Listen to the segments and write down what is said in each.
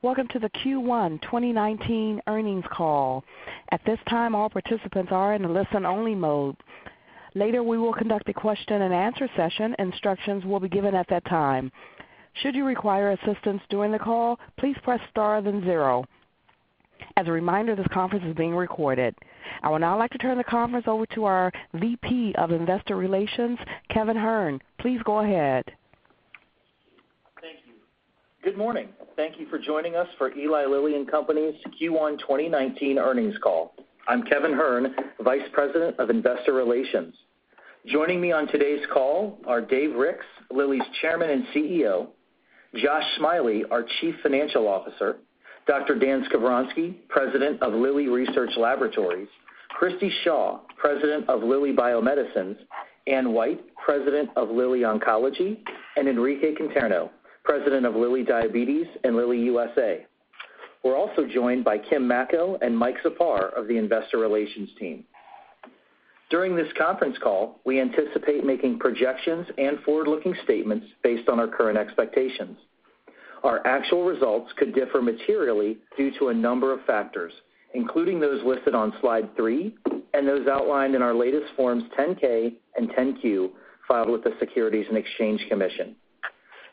Welcome to the Q1 2019 earnings call. At this time, all participants are in a listen-only mode. Later, we will conduct a question and answer session. Instructions will be given at that time. Should you require assistance during the call, please press star then zero. As a reminder, this conference is being recorded. I would now like to turn the conference over to our VP of Investor Relations, Kevin Hern. Please go ahead. Thank you. Good morning. Thank you for joining us for Eli Lilly and Company's Q1 2019 earnings call. I'm Kevin Hern, Vice President of Investor Relations. Joining me on today's call are Dave Ricks, Lilly's Chairman and CEO, Josh Smiley, our Chief Financial Officer, Dr. Dan Skovronsky, President of Lilly Research Laboratories, Christi Shaw, President of Lilly Bio-Medicines, Anne White, President of Lilly Oncology, and Enrique Conterno, President of Lilly Diabetes and Lilly USA. We're also joined by Kim Mackle and Mike Czapar of the Investor Relations team. During this conference call, we anticipate making projections and forward-looking statements based on our current expectations. Our actual results could differ materially due to a number of factors, including those listed on slide three and those outlined in our latest Forms 10-K and 10-Q filed with the Securities and Exchange Commission.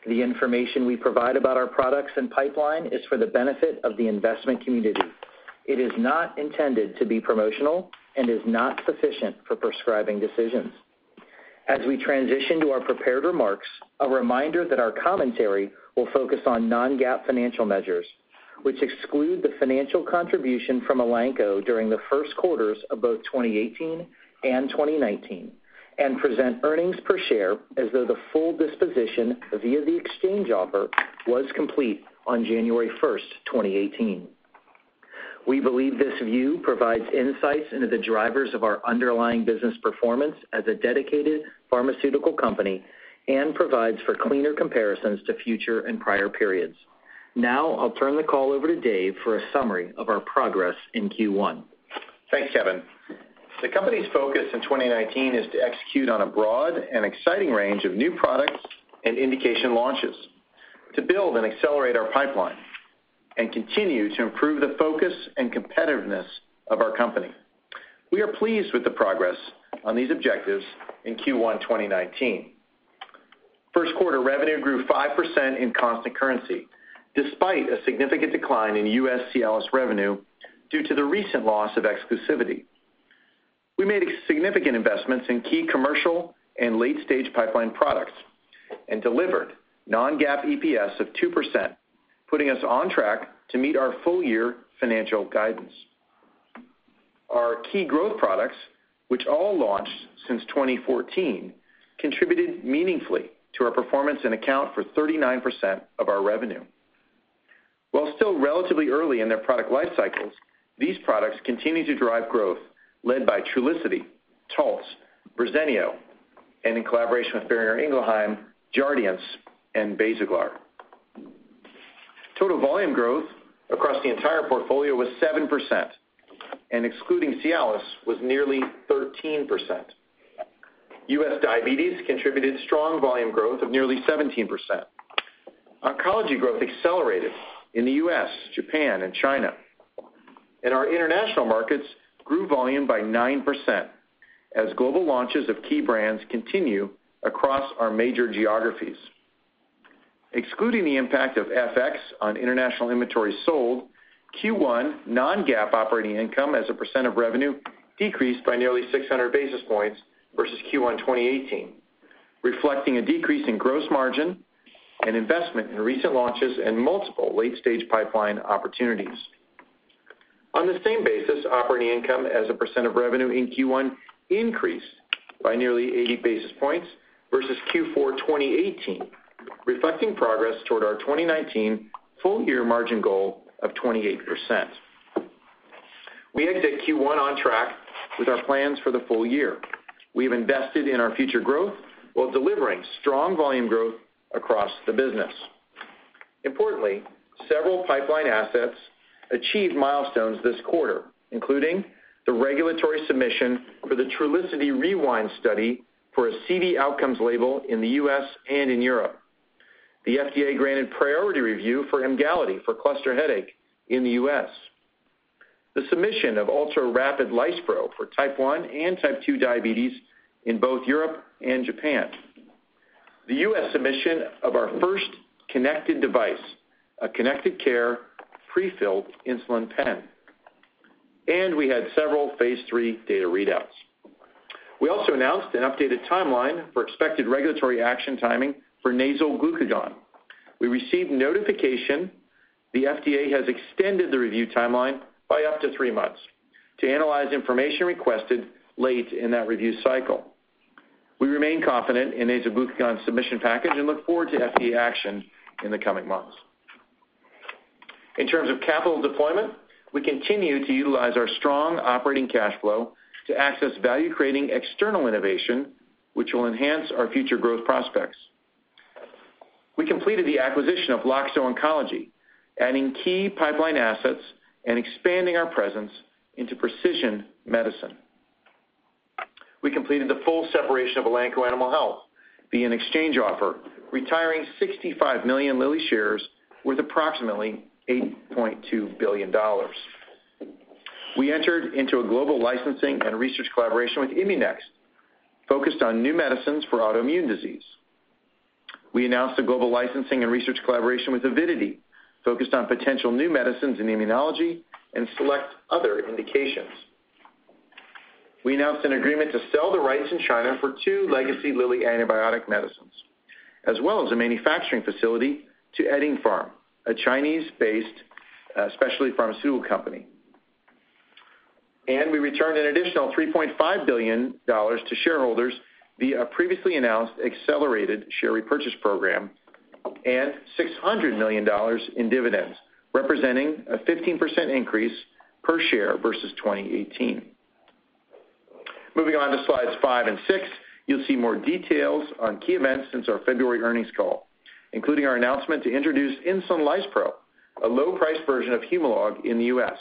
The information we provide about our products and pipeline is for the benefit of the investment community. It is not intended to be promotional and is not sufficient for prescribing decisions. As we transition to our prepared remarks, a reminder that our commentary will focus on non-GAAP financial measures, which exclude the financial contribution from Elanco during the first quarters of both 2018 and 2019, and present earnings per share as though the full disposition via the exchange offer was complete on January 1st, 2018. We believe this view provides insights into the drivers of our underlying business performance as a dedicated pharmaceutical company and provides for cleaner comparisons to future and prior periods. Now, I'll turn the call over to Dave for a summary of our progress in Q1. Thanks, Kevin. The company's focus in 2019 is to execute on a broad and exciting range of new products and indication launches, to build and accelerate our pipeline, and continue to improve the focus and competitiveness of our company. We are pleased with the progress on these objectives in Q1 2019. First quarter revenue grew 5% in constant currency, despite a significant decline in U.S. Cialis revenue due to the recent loss of exclusivity. We made significant investments in key commercial and late-stage pipeline products and delivered non-GAAP EPS of 2%, putting us on track to meet our full-year financial guidance. Our key growth products, which all launched since 2014, contributed meaningfully to our performance and account for 39% of our revenue. While still relatively early in their product life cycles, these products continue to drive growth led by Trulicity, Taltz, Verzenio, and in collaboration with Boehringer Ingelheim, JARDIANCE and BASAGLAR. Total volume growth across the entire portfolio was 7%, and excluding Cialis, was nearly 13%. U.S. diabetes contributed strong volume growth of nearly 17%. Oncology growth accelerated in the U.S., Japan, and China. Our international markets grew volume by 9% as global launches of key brands continue across our major geographies. Excluding the impact of FX on international inventory sold, Q1 non-GAAP operating income as a percent of revenue decreased by nearly 600 basis points versus Q1 2018, reflecting a decrease in gross margin and investment in recent launches and multiple late-stage pipeline opportunities. On the same basis, operating income as a percent of revenue in Q1 increased by nearly 80 basis points versus Q4 2018, reflecting progress toward our 2019 full-year margin goal of 28%. We exit Q1 on track with our plans for the full year. We've invested in our future growth while delivering strong volume growth across the business. Importantly, several pipeline assets achieved milestones this quarter, including the regulatory submission for the Trulicity REWIND study for a CV outcomes label in the U.S. and in Europe. The FDA granted priority review for Emgality for cluster headache in the U.S. The submission of ultrarapid lispro for type 1 and type 2 diabetes in both Europe and Japan. The U.S. submission of our first connected device, a connected care prefilled insulin pen. We had several phase III data readouts. We also announced an updated timeline for expected regulatory action timing for nasal glucagon. We received notification the FDA has extended the review timeline by up to three months to analyze information requested late in that review cycle. We remain confident in nasal glucagon's submission package and look forward to FDA action in the coming months. In terms of capital deployment, we continue to utilize our strong operating cash flow to access value-creating external innovation, which will enhance our future growth prospects. We completed the acquisition of Loxo Oncology, adding key pipeline assets and expanding our presence into precision medicine. We completed the full separation of Elanco Animal Health, via an exchange offer retiring 65 million Lilly shares with approximately $8.2 billion. We entered into a global licensing and research collaboration with ImmuNext, focused on new medicines for autoimmune disease. We announced a global licensing and research collaboration with Avidity, focused on potential new medicines in immunology and select other indications. We announced an agreement to sell the rights in China for two legacy Lilly antibiotic medicines, as well as a manufacturing facility to Eddingpharm, a Chinese-based specialty pharmaceutical company. We returned an additional $3.5 billion to shareholders via a previously announced accelerated share repurchase program and $600 million in dividends, representing a 15% increase per share versus 2018. Moving on to slides five and six, you'll see more details on key events since our February earnings call, including our announcement to introduce Insulin Lispro, a low price version of Humalog in the U.S.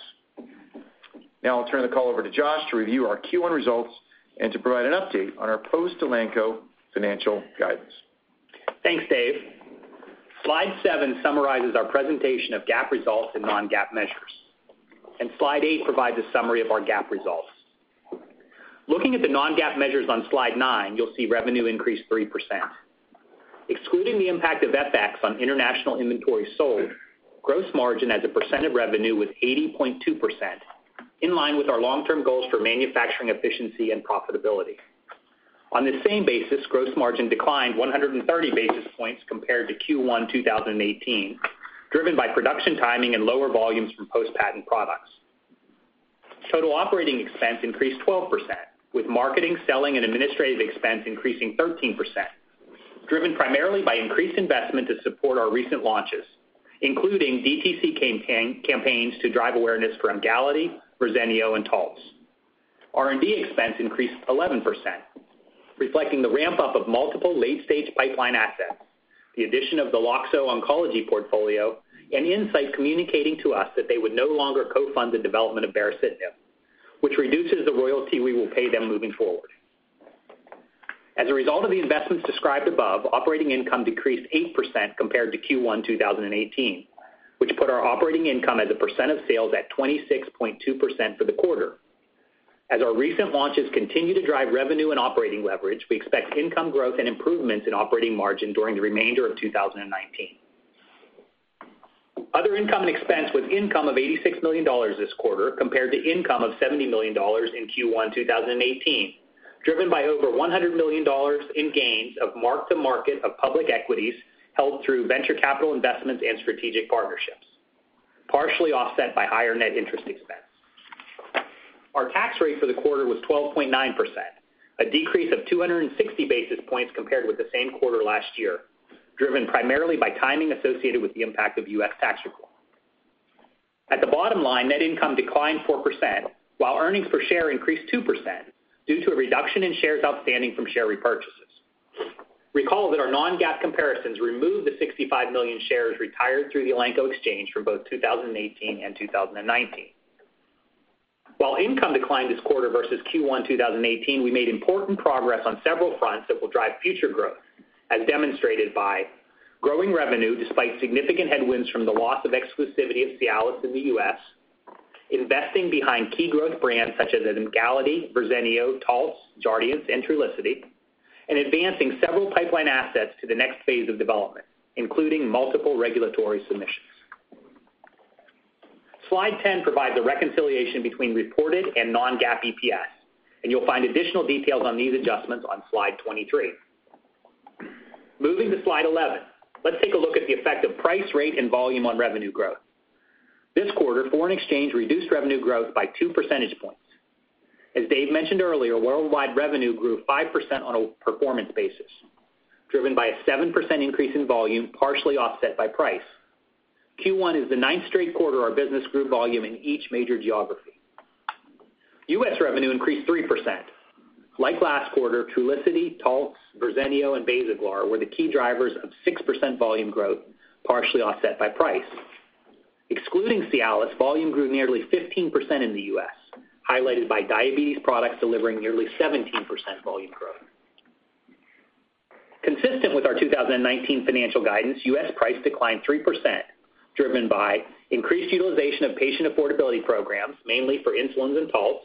Now I'll turn the call over to Josh to review our Q1 results and to provide an update on our post Elanco financial guidance. Thanks, Dave. Slide seven summarizes our presentation of GAAP results and non-GAAP measures, and Slide eight provides a summary of our GAAP results. Looking at the non-GAAP measures on Slide 9, you'll see revenue increased 3%. Excluding the impact of FX on international inventory sold, gross margin as a percent of revenue was 80.2%, in line with our long-term goals for manufacturing efficiency and profitability. On this same basis, gross margin declined 130 basis points compared to Q1 2018, driven by production timing and lower volumes from post-patent products. Total operating expense increased 12%, with marketing, selling, and administrative expense increasing 13%, driven primarily by increased investment to support our recent launches, including DTC campaigns to drive awareness for Emgality, Verzenio, and Taltz. R&D expense increased 11%, reflecting the ramp-up of multiple late-stage pipeline assets, the addition of the Loxo Oncology portfolio, and Incyte communicating to us that they would no longer co-fund the development of baricitinib, which reduces the royalty we will pay them moving forward. As a result of the investments described above, operating income decreased 8% compared to Q1 2018, which put our operating income as a percent of sales at 26.2% for the quarter. As our recent launches continue to drive revenue and operating leverage, we expect income growth and improvements in operating margin during the remainder of 2019. Other income and expense was income of $86 million this quarter, compared to income of $70 million in Q1 2018, driven by over $100 million in gains of mark-to-market of public equities held through venture capital investments and strategic partnerships, partially offset by higher net interest expense. Our tax rate for the quarter was 12.9%, a decrease of 260 basis points compared with the same quarter last year, driven primarily by timing associated with the impact of U.S. tax reform. At the bottom line, net income declined 4%, while earnings per share increased 2% due to a reduction in shares outstanding from share repurchases. Recall that our non-GAAP comparisons remove the 65 million shares retired through the Elanco exchange for both 2018 and 2019. While income declined this quarter versus Q1 2018, we made important progress on several fronts that will drive future growth, as demonstrated by growing revenue despite significant headwinds from the loss of exclusivity of Cialis in the U.S., investing behind key growth brands such as Emgality, Verzenio, Taltz, Jardiance, and Trulicity, and advancing several pipeline assets to the next phase of development, including multiple regulatory submissions. Slide 10 provides a reconciliation between reported and non-GAAP EPS, and you'll find additional details on these adjustments on slide 23. Moving to slide 11, let's take a look at the effect of price, rate, and volume on revenue growth. This quarter, foreign exchange reduced revenue growth by two percentage points. As Dave mentioned earlier, worldwide revenue grew 5% on a performance basis, driven by a 7% increase in volume, partially offset by price. Q1 is the ninth straight quarter our business grew volume in each major geography. U.S. revenue increased 3%. Like last quarter, Trulicity, Taltz, Verzenio, and BASAGLAR were the key drivers of 6% volume growth, partially offset by price. Excluding Cialis, volume grew nearly 15% in the U.S., highlighted by diabetes products delivering nearly 17% volume growth. Consistent with our 2019 financial guidance, U.S. price declined 3%, driven by increased utilization of patient affordability programs, mainly for insulins and Taltz,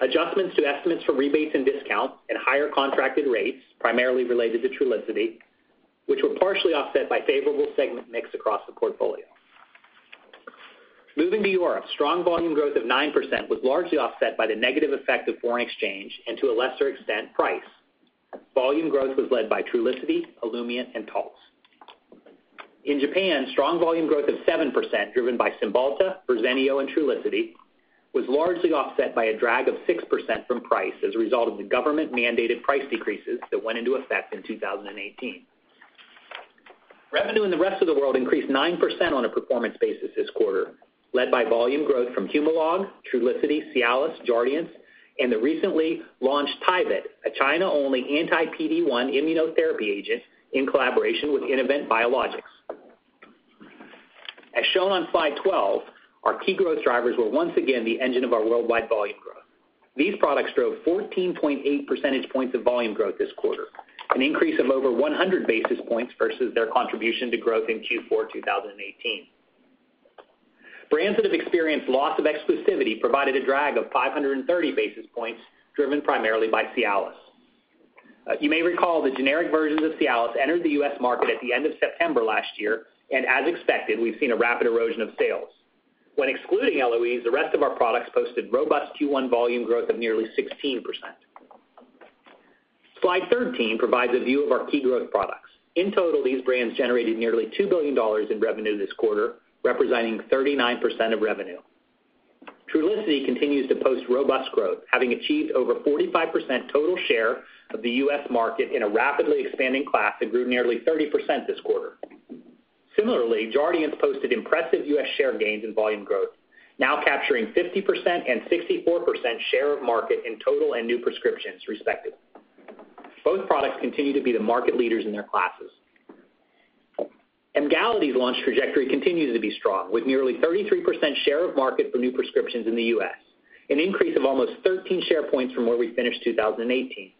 adjustments to estimates for rebates and discounts, and higher contracted rates, primarily related to Trulicity, which were partially offset by favorable segment mix across the portfolio. Moving to Europe, strong volume growth of 9% was largely offset by the negative effect of foreign exchange and, to a lesser extent, price. Volume growth was led by Trulicity, OLUMIANT, and Taltz. In Japan, strong volume growth of 7%, driven by Cymbalta, Verzenio, and Trulicity, was largely offset by a drag of 6% from price as a result of the government-mandated price decreases that went into effect in 2018. Revenue in the rest of the world increased 9% on a performance basis this quarter, led by volume growth from Humalog, Trulicity, Cialis, Jardiance, and the recently launched TYVYT, a China-only anti-PD-1 immunotherapy agent in collaboration with Innovent Biologics. As shown on slide 12, our key growth drivers were once again the engine of our worldwide volume growth. These products drove 14.8 percentage points of volume growth this quarter, an increase of over 100 basis points versus their contribution to growth in Q4 2018. Brands that have experienced loss of exclusivity provided a drag of 530 basis points, driven primarily by Cialis. You may recall the generic versions of Cialis entered the U.S. market at the end of September last year, and as expected, we've seen a rapid erosion of sales. When excluding LOEs, the rest of our products posted robust Q1 volume growth of nearly 16%. Slide 13 provides a view of our key growth products. In total, these brands generated nearly $2 billion in revenue this quarter, representing 39% of revenue. Trulicity continues to post robust growth, having achieved over 45% total share of the U.S. market in a rapidly expanding class that grew nearly 30% this quarter. Similarly, Jardiance posted impressive U.S. share gains in volume growth, now capturing 50% and 64% share of market in total and new prescriptions respectively. Both products continue to be the market leaders in their classes. Emgality's launch trajectory continues to be strong with nearly 33% share of market for new prescriptions in the U.S., an increase of almost 13 share points from where we finished 2018.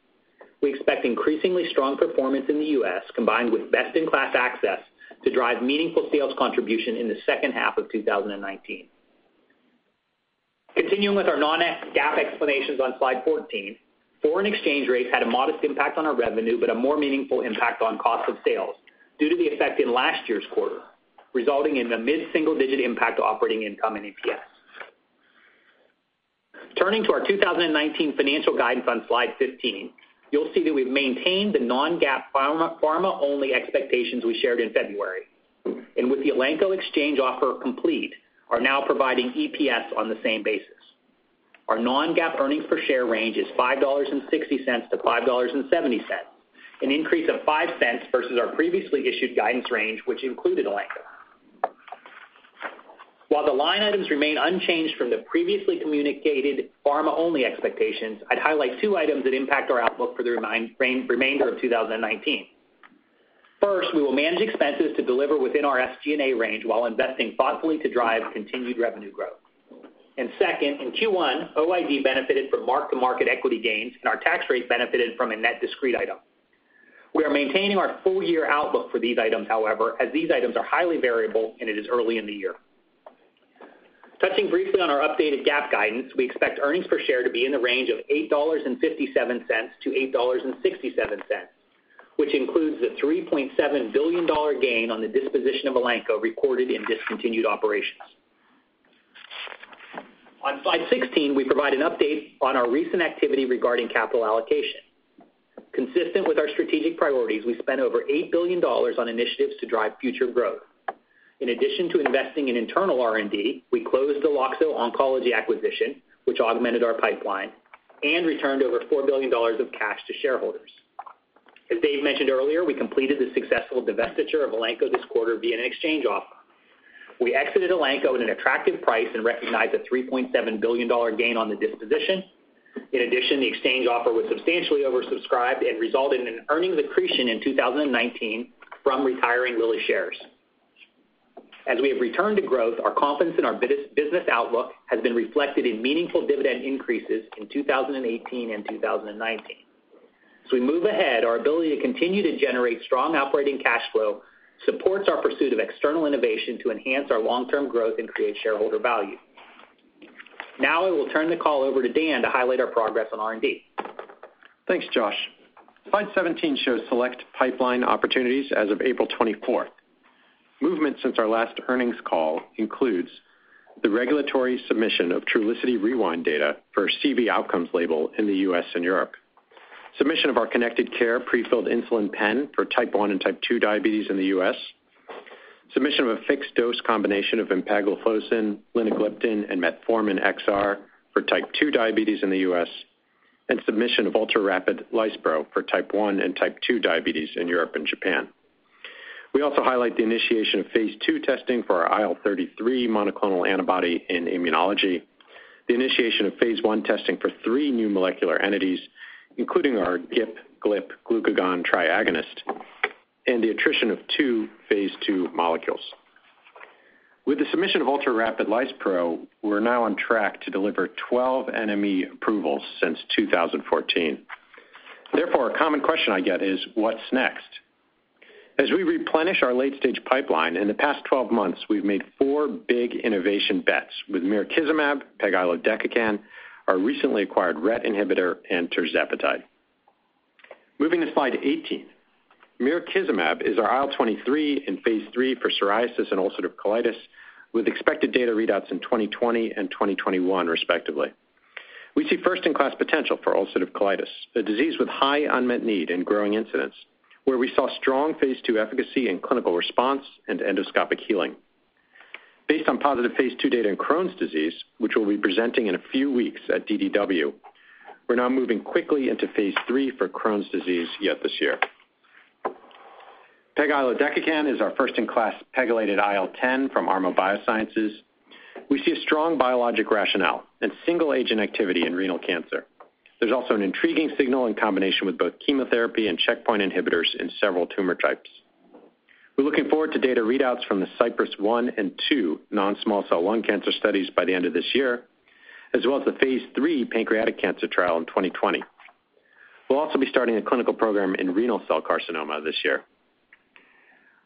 We expect increasingly strong performance in the U.S., combined with best-in-class access to drive meaningful sales contribution in the second half of 2019. Continuing with our non-GAAP explanations on Slide 14, foreign exchange rates had a modest impact on our revenue, but a more meaningful impact on cost of sales due to the effect in last year's quarter, resulting in a mid-single-digit impact to operating income and EPS. Turning to our 2019 financial guidance on Slide 15, you'll see that we've maintained the non-GAAP, pharma-only expectations we shared in February, and with the Elanco exchange offer complete, are now providing EPS on the same basis. Our non-GAAP earnings per share range is $5.60-$5.70, an increase of $0.05 versus our previously issued guidance range, which included Elanco. While the line items remain unchanged from the previously communicated pharma-only expectations, I'd highlight two items that impact our outlook for the remainder of 2019. First, we will manage expenses to deliver within our SG&A range while investing thoughtfully to drive continued revenue growth. Second, in Q1, OID benefited from mark-to-market equity gains, and our tax rate benefited from a net discrete item. We are maintaining our full-year outlook for these items, however, as these items are highly variable and it is early in the year. Touching briefly on our updated GAAP guidance, we expect earnings per share to be in the range of $8.57-$8.67, which includes the $3.7 billion gain on the disposition of Elanco recorded in discontinued operations. On Slide 16, we provide an update on our recent activity regarding capital allocation. Consistent with our strategic priorities, we spent over $8 billion on initiatives to drive future growth. In addition to investing in internal R&D, we closed the Loxo Oncology acquisition, which augmented our pipeline and returned over $4 billion of cash to shareholders. As Dave mentioned earlier, we completed the successful divestiture of Elanco this quarter via an exchange offer. We exited Elanco at an attractive price and recognized a $3.7 billion gain on the disposition. In addition, the exchange offer was substantially oversubscribed and resulted in an earnings accretion in 2019 from retiring Lilly shares. As we have returned to growth, our confidence in our business outlook has been reflected in meaningful dividend increases in 2018 and 2019. As we move ahead, our ability to continue to generate strong operating cash flow supports our pursuit of external innovation to enhance our long-term growth and create shareholder value. Now I will turn the call over to Dan to highlight our progress on R&D. Thanks, Josh. Slide 17 shows select pipeline opportunities as of April 24th. Movement since our last earnings call includes the regulatory submission of Trulicity REWIND data for a CV outcomes label in the U.S. and Europe, submission of our connected care prefilled insulin pen for type 1 and type 2 diabetes in the U.S., submission of a fixed dose combination of empagliflozin, linagliptin, and metformin XR for type 2 diabetes in the U.S., and submission of ultrarapid lispro for type 1 and type 2 diabetes in Europe and Japan. We also highlight the initiation of phase II testing for our IL-33 monoclonal antibody in immunology, the initiation of phase I testing for three new molecular entities, including our GIP/GLP/glucagon triagonist, and the attrition of two phase II molecules. With the submission of ultrarapid lispro, we're now on track to deliver 12 NME approvals since 2014. A common question I get is, what's next? As we replenish our late-stage pipeline, in the past 12 months, we've made four big innovation bets with mirikizumab, pegilodecakin, our recently acquired RET inhibitor, and tirzepatide. Moving to Slide 18, mirikizumab is our IL-23 in phase III for psoriasis and ulcerative colitis, with expected data readouts in 2020 and 2021, respectively. We see first-in-class potential for ulcerative colitis, a disease with high unmet need and growing incidence, where we saw strong phase II efficacy in clinical response and endoscopic healing. Based on positive phase II data in Crohn's disease, which we'll be presenting in a few weeks at DDW, we're now moving quickly into phase III for Crohn's disease yet this year. Pegilodecakin is our first-in-class pegylated IL-10 from ARMO BioSciences. We see a strong biologic rationale and single agent activity in renal cancer. There's also an intriguing signal in combination with both chemotherapy and checkpoint inhibitors in several tumor types. We're looking forward to data readouts from the CYPRESS 1 and 2 non-small cell lung cancer studies by the end of this year, as well as the phase III pancreatic cancer trial in 2020. We'll also be starting a clinical program in renal cell carcinoma this year.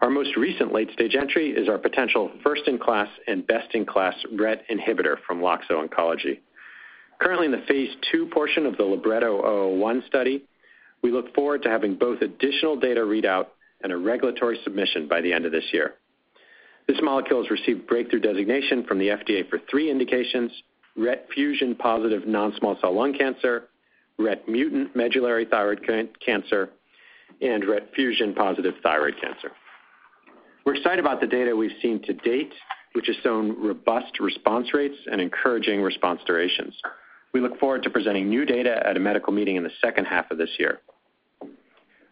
Our most recent late-stage entry is our potential first-in-class and best-in-class RET inhibitor from Loxo Oncology. Currently in the phase II portion of the LIBRETTO-001 study, we look forward to having both additional data readout and a regulatory submission by the end of this year. This molecule has received breakthrough designation from the FDA for three indications, RET fusion-positive non-small cell lung cancer, RET mutant medullary thyroid cancer, and RET fusion-positive thyroid cancer. We're excited about the data we've seen to date, which has shown robust response rates and encouraging response durations. We look forward to presenting new data at a medical meeting in the second half of this year.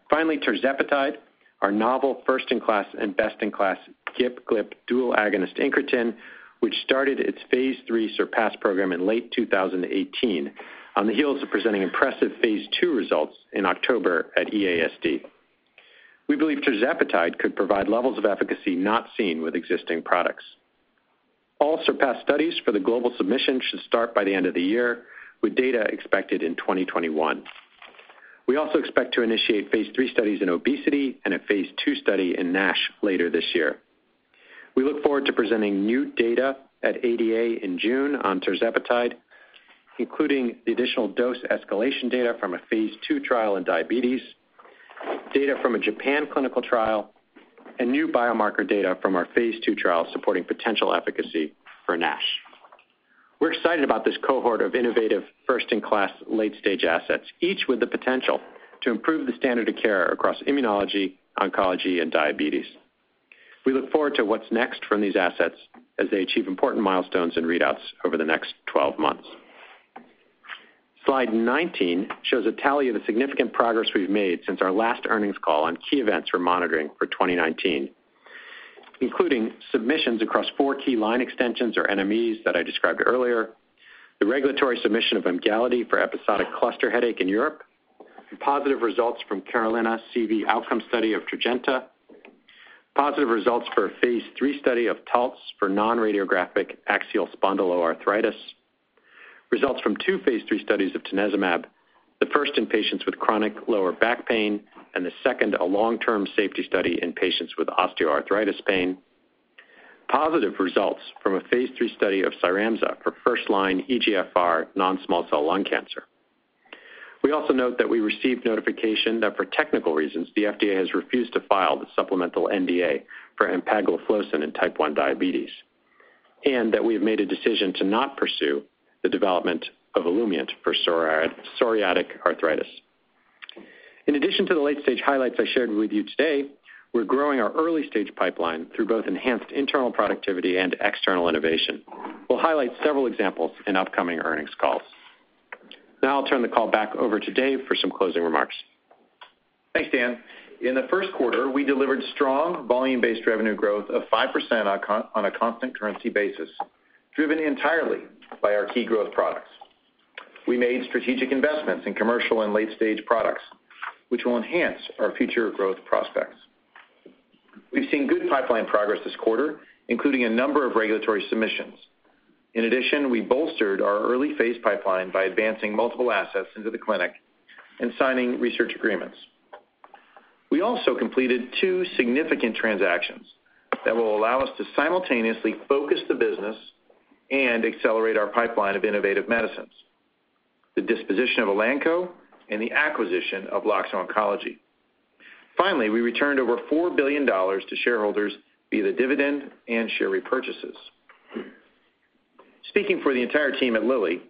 Finally, tirzepatide, our novel first-in-class and best-in-class GIP/GLP-1 dual agonist incretin, which started its phase III SURPASS program in late 2018 on the heels of presenting impressive phase II results in October at EASD. We believe tirzepatide could provide levels of efficacy not seen with existing products. All SURPASS studies for the global submission should start by the end of the year, with data expected in 2021. We also expect to initiate phase III studies in obesity and a phase II study in NASH later this year. We look forward to presenting new data at ADA in June on tirzepatide, including the additional dose escalation data from a phase II trial in diabetes, data from a Japan clinical trial, and new biomarker data from our phase II trial supporting potential efficacy for NASH. We're excited about this cohort of innovative first-in-class late-stage assets, each with the potential to improve the standard of care across immunology, oncology, and diabetes. We look forward to what's next from these assets as they achieve important milestones and readouts over the next 12 months. Slide 19 shows a tally of the significant progress we've made since our last earnings call on key events we're monitoring for 2019, including submissions across four key line extensions or NMEs that I described earlier, the regulatory submission of Emgality for episodic cluster headache in Europe, positive results from CAROLINA CV Outcomes study of Tradjenta, positive results for a phase III study of Taltz for non-radiographic axial spondyloarthritis, results from two phase III studies of tanezumab, the first in patients with chronic lower back pain, and the second, a long-term safety study in patients with osteoarthritis pain, positive results from a phase III study of CYRAMZA for first-line EGFR non-small cell lung cancer. We also note that we received notification that for technical reasons, the FDA has refused to file the supplemental NDA for empagliflozin in type 1 diabetes, and that we have made a decision to not pursue the development of OLUMIANT for psoriatic arthritis. In addition to the late-stage highlights I shared with you today, we're growing our early-stage pipeline through both enhanced internal productivity and external innovation. We'll highlight several examples in upcoming earnings calls. I'll turn the call back over to Dave for some closing remarks. Thanks, Dan. In the first quarter, we delivered strong volume-based revenue growth of 5% on a constant currency basis, driven entirely by our key growth products. We made strategic investments in commercial and late-stage products, which will enhance our future growth prospects. We've seen good pipeline progress this quarter, including a number of regulatory submissions. In addition, we bolstered our early phase pipeline by advancing multiple assets into the clinic and signing research agreements. We completed two significant transactions that will allow us to simultaneously focus the business and accelerate our pipeline of innovative medicines, the disposition of Elanco and the acquisition of Loxo Oncology. We returned over $4 billion to shareholders via dividend and share repurchases. Speaking for the entire team at Lilly,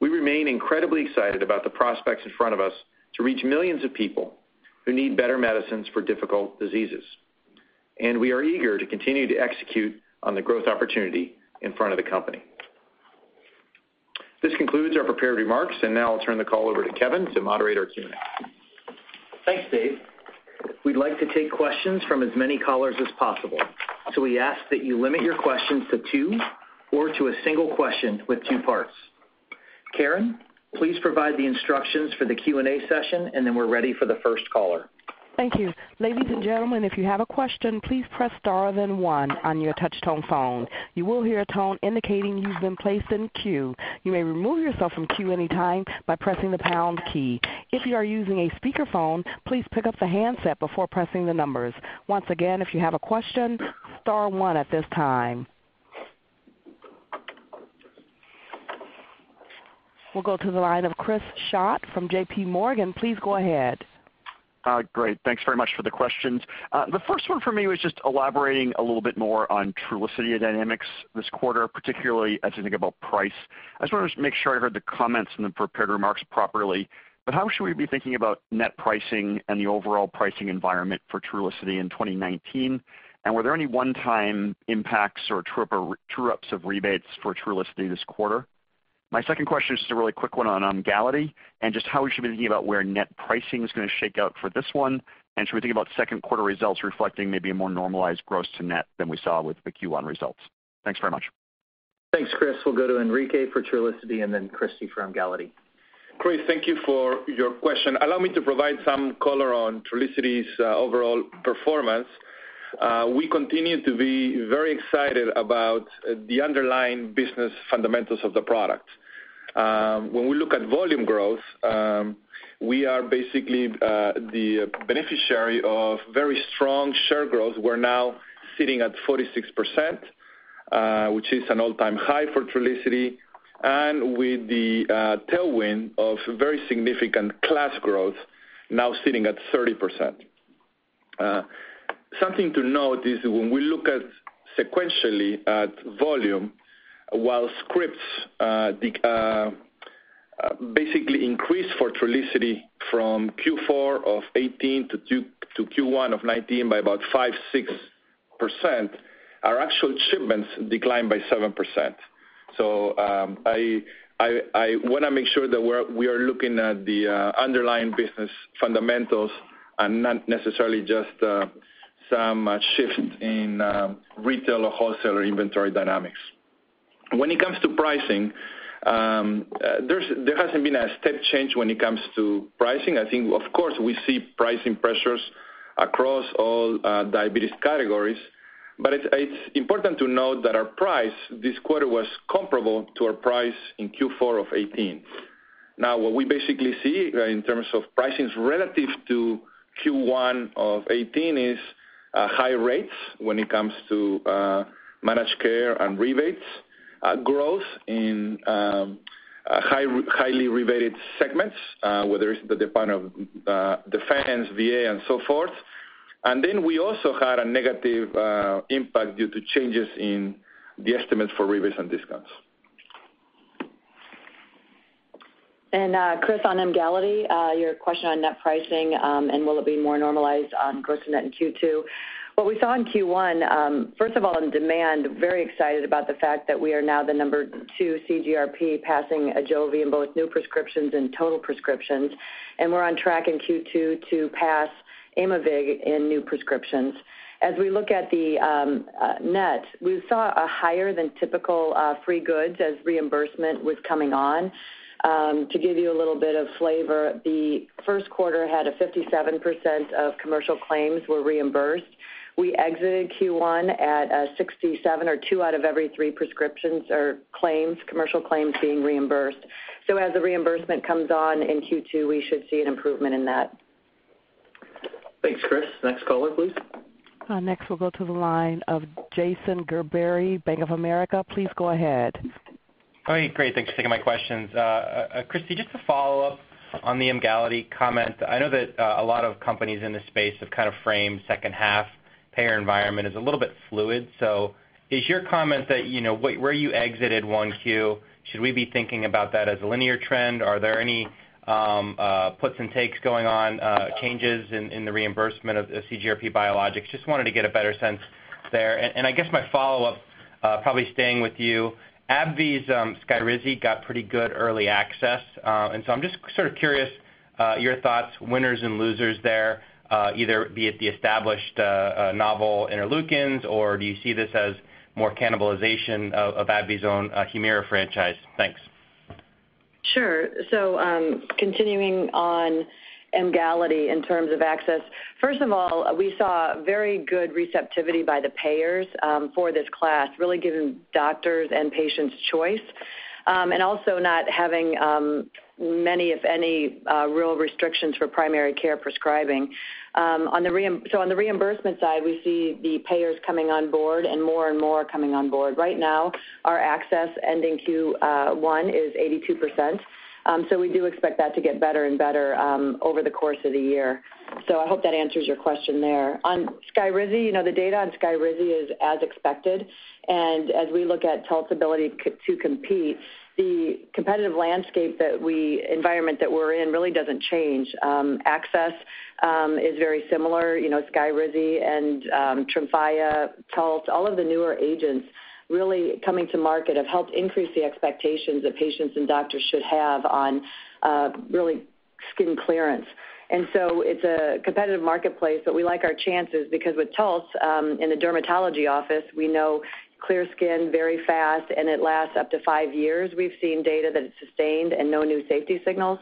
we remain incredibly excited about the prospects in front of us to reach millions of people who need better medicines for difficult diseases. We are eager to continue to execute on the growth opportunity in front of the company. This concludes our prepared remarks. I'll turn the call over to Kevin to moderate our Q&A. Thanks, Dave. We'd like to take questions from as many callers as possible. We ask that you limit your questions to two or to a single question with two parts. Karen, please provide the instructions for the Q&A session. We're ready for the first caller. Thank you. Ladies and gentlemen, if you have a question, please press star then one on your touchtone phone. You will hear a tone indicating you've been placed in queue. You may remove yourself from queue anytime by pressing the pound key. If you are using a speakerphone, please pick up the handset before pressing the numbers. Once again, if you have a question, star one at this time. We'll go to the line of Chris Schott from J.P. Morgan. Please go ahead. Great. Thanks very much for the questions. The first one for me was just elaborating a little bit more on Trulicity dynamics this quarter, particularly as you think about price. I just wanted to make sure I heard the comments in the prepared remarks properly, but how should we be thinking about net pricing and the overall pricing environment for Trulicity in 2019? Were there any one-time impacts or true-ups of rebates for Trulicity this quarter? My second question is just a really quick one on Emgality, and just how we should be thinking about where net pricing is going to shake out for this one. Should we think about second quarter results reflecting maybe a more normalized gross to net than we saw with the Q1 results? Thanks very much. Thanks, Chris. We'll go to Enrique for Trulicity and then Christi for Emgality. Chris, thank you for your question. Allow me to provide some color on Trulicity's overall performance. We continue to be very excited about the underlying business fundamentals of the product. When we look at volume growth, we are basically the beneficiary of very strong share growth. We're now sitting at 46%, which is an all-time high for Trulicity, and with the tailwind of very significant class growth now sitting at 30%. Something to note is when we look sequentially at volume, while scripts basically increased for Trulicity from Q4 of 2018 to Q1 of 2019 by about 5%, 6%, our actual shipments declined by 7%. I want to make sure that we are looking at the underlying business fundamentals and not necessarily just some shift in retail or wholesaler inventory dynamics. When it comes to pricing, there hasn't been a step change when it comes to pricing. Of course, we see pricing pressures across all diabetes categories, but it's important to note that our price this quarter was comparable to our price in Q4 of 2018. Now, what we basically see in terms of pricing relative to Q1 of 2018 is higher rates when it comes to managed care and rebates growth in highly rebated segments, whether it's the Department of Defense, VA, and so forth. Then we also had a negative impact due to changes in the estimates for rebates and discounts. Chris, on Emgality, your question on net pricing and will it be more normalized on gross to net in Q2. What we saw in Q1, first of all, in demand, very excited about the fact that we are now the number two CGRP, passing AJOVY in both new prescriptions and total prescriptions. We're on track in Q2 to pass Aimovig in new prescriptions. As we look at the net, we saw a higher than typical free goods as reimbursement was coming on. To give you a little bit of flavor, the first quarter had a 57% of commercial claims were reimbursed. We exited Q1 at 67% or two out of every three prescriptions are claims, commercial claims being reimbursed. As the reimbursement comes on in Q2, we should see an improvement in that. Thanks, Chris. Next caller, please. Next, we'll go to the line of Jason Gerberry, Bank of America. Please go ahead. Great. Thanks for taking my questions. Christi, just to follow up on the Emgality comment. I know that a lot of companies in this space have kind of framed second half payer environment as a little bit fluid. Is your comment that where you exited 1Q, should we be thinking about that as a linear trend? Are there any puts and takes going on, changes in the reimbursement of CGRP biologics? Just wanted to get a better sense there. I guess my follow-up, probably staying with you, AbbVie's SKYRIZI got pretty good early access. I'm just sort of curious, your thoughts, winners and losers there, either be it the established novel interleukins, or do you see this as more cannibalization of AbbVie's own HUMIRA franchise? Thanks. Sure. Continuing on Emgality in terms of access. First of all, we saw very good receptivity by the payers for this class, really giving doctors and patients choice. Also not having many, if any, real restrictions for primary care prescribing. On the reimbursement side, we see the payers coming on board and more and more coming on board. Right now, our access ending Q1 is 82%, we do expect that to get better and better over the course of the year. I hope that answers your question there. On SKYRIZI, the data on SKYRIZI is as expected. As we look at Taltz's ability to compete, the competitive landscape environment that we're in really doesn't change. Access is very similar. SKYRIZI and TREMFYA, Taltz, all of the newer agents really coming to market have helped increase the expectations that patients and doctors should have on really skin clearance. It's a competitive marketplace, but we like our chances because with Taltz in the dermatology office, we know clear skin very fast and it lasts up to five years. We've seen data that it's sustained and no new safety signals.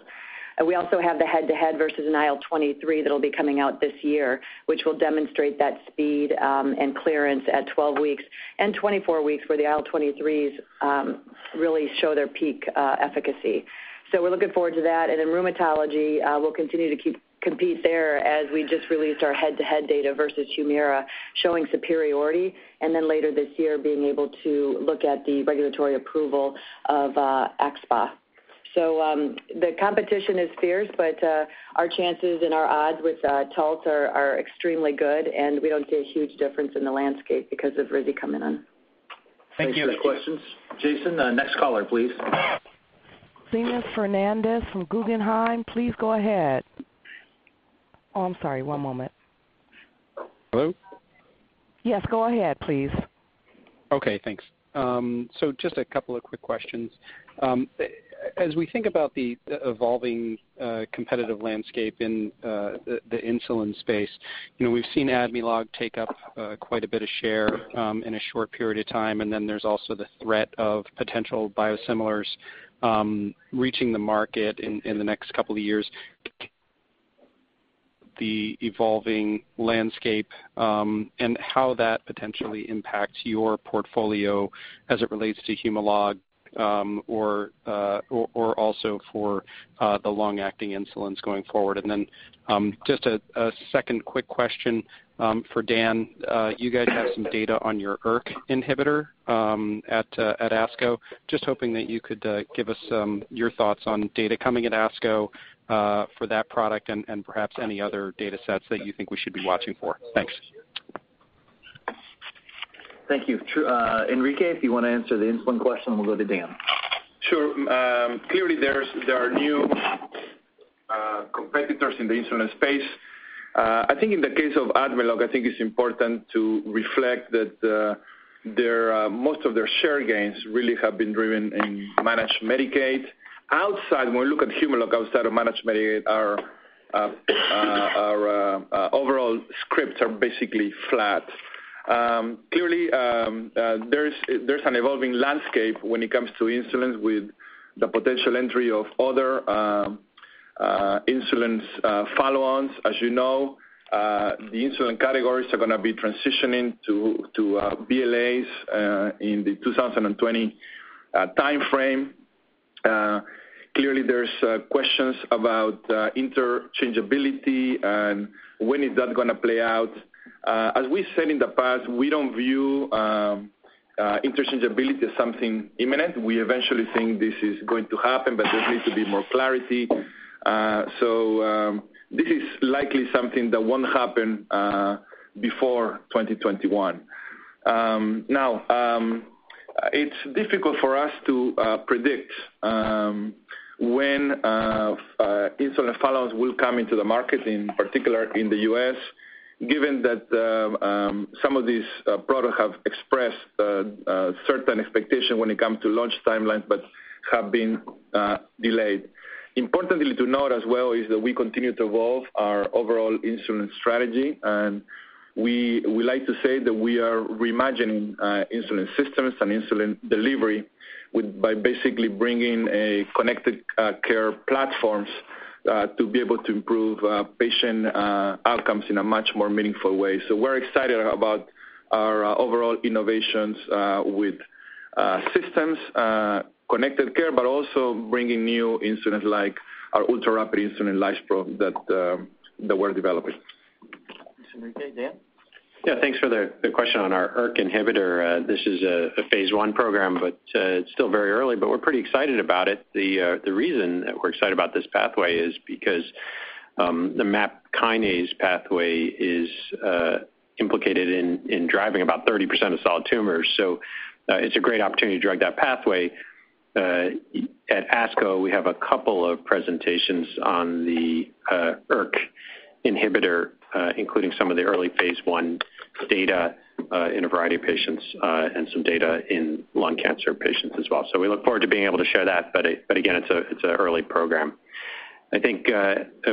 We also have the head-to-head versus IL-23 that'll be coming out this year, which will demonstrate that speed and clearance at 12 weeks and 24 weeks where the IL-23s really show their peak efficacy. We're looking forward to that. In rheumatology, we'll continue to compete there as we just released our head-to-head data versus HUMIRA showing superiority, later this year, being able to look at the regulatory approval of axSpA. The competition is fierce, but our chances and our odds with Taltz are extremely good, and we don't see a huge difference in the landscape because of Rizi coming on. Thank you. Next questions, Jason. Next caller, please. Seamus Fernandez from Guggenheim, please go ahead. Oh, I'm sorry. One moment. Hello? Yes, go ahead, please. Okay, thanks. Just a couple of quick questions. As we think about the evolving competitive landscape in the insulin space, we've seen Admelog take up quite a bit of share in a short period of time, and then there's also the threat of potential biosimilars reaching the market in the next couple of years. The evolving landscape and how that potentially impacts your portfolio as it relates to Humalog, or also for the long-acting insulins going forward. Just a second quick question for Dan. You guys have some data on your ERK inhibitor at ASCO. Just hoping that you could give us your thoughts on data coming at ASCO for that product and perhaps any other data sets that you think we should be watching for. Thanks. Thank you. Enrique, if you want to answer the insulin question, we'll go to Dan. Sure. Clearly, there are new competitors in the insulin space. I think in the case of Admelog, I think it's important to reflect that most of their share gains really have been driven in Managed Medicaid. Outside, when we look at Humalog outside of Managed Medicaid, our overall scripts are basically flat. Clearly, there's an evolving landscape when it comes to insulin with the potential entry of other insulin follow-ons. As you know, the insulin categories are going to be transitioning to BLAs in the 2020 timeframe. Clearly, there's questions about interchangeability and when is that going to play out. As we said in the past, we don't view interchangeability as something imminent. We eventually think this is going to happen, but there needs to be more clarity. This is likely something that won't happen before 2021. It's difficult for us to predict when insulin follow-ons will come into the market, in particular in the U.S., given that some of these products have expressed a certain expectation when it comes to launch timelines but have been delayed. Importantly to note as well is that we continue to evolve our overall insulin strategy, and we like to say that we are reimagining insulin systems and insulin delivery by basically bringing connected care platforms to be able to improve patient outcomes in a much more meaningful way. We're excited about our overall innovations with systems, connected care, but also bringing new insulin like our ultra-rapid insulin Lispro that we're developing. Thanks, Enrique. Dan? Yeah, thanks for the question on our ERK inhibitor. This is a phase I program, but it's still very early, but we're pretty excited about it. The reason that we're excited about this pathway is because the MAP kinase pathway is implicated in driving about 30% of solid tumors. It's a great opportunity to drug that pathway. At ASCO, we have a couple of presentations on the ERK inhibitor, including some of the early phase I data in a variety of patients and some data in lung cancer patients as well. We look forward to being able to share that, but again, it's an early program. I think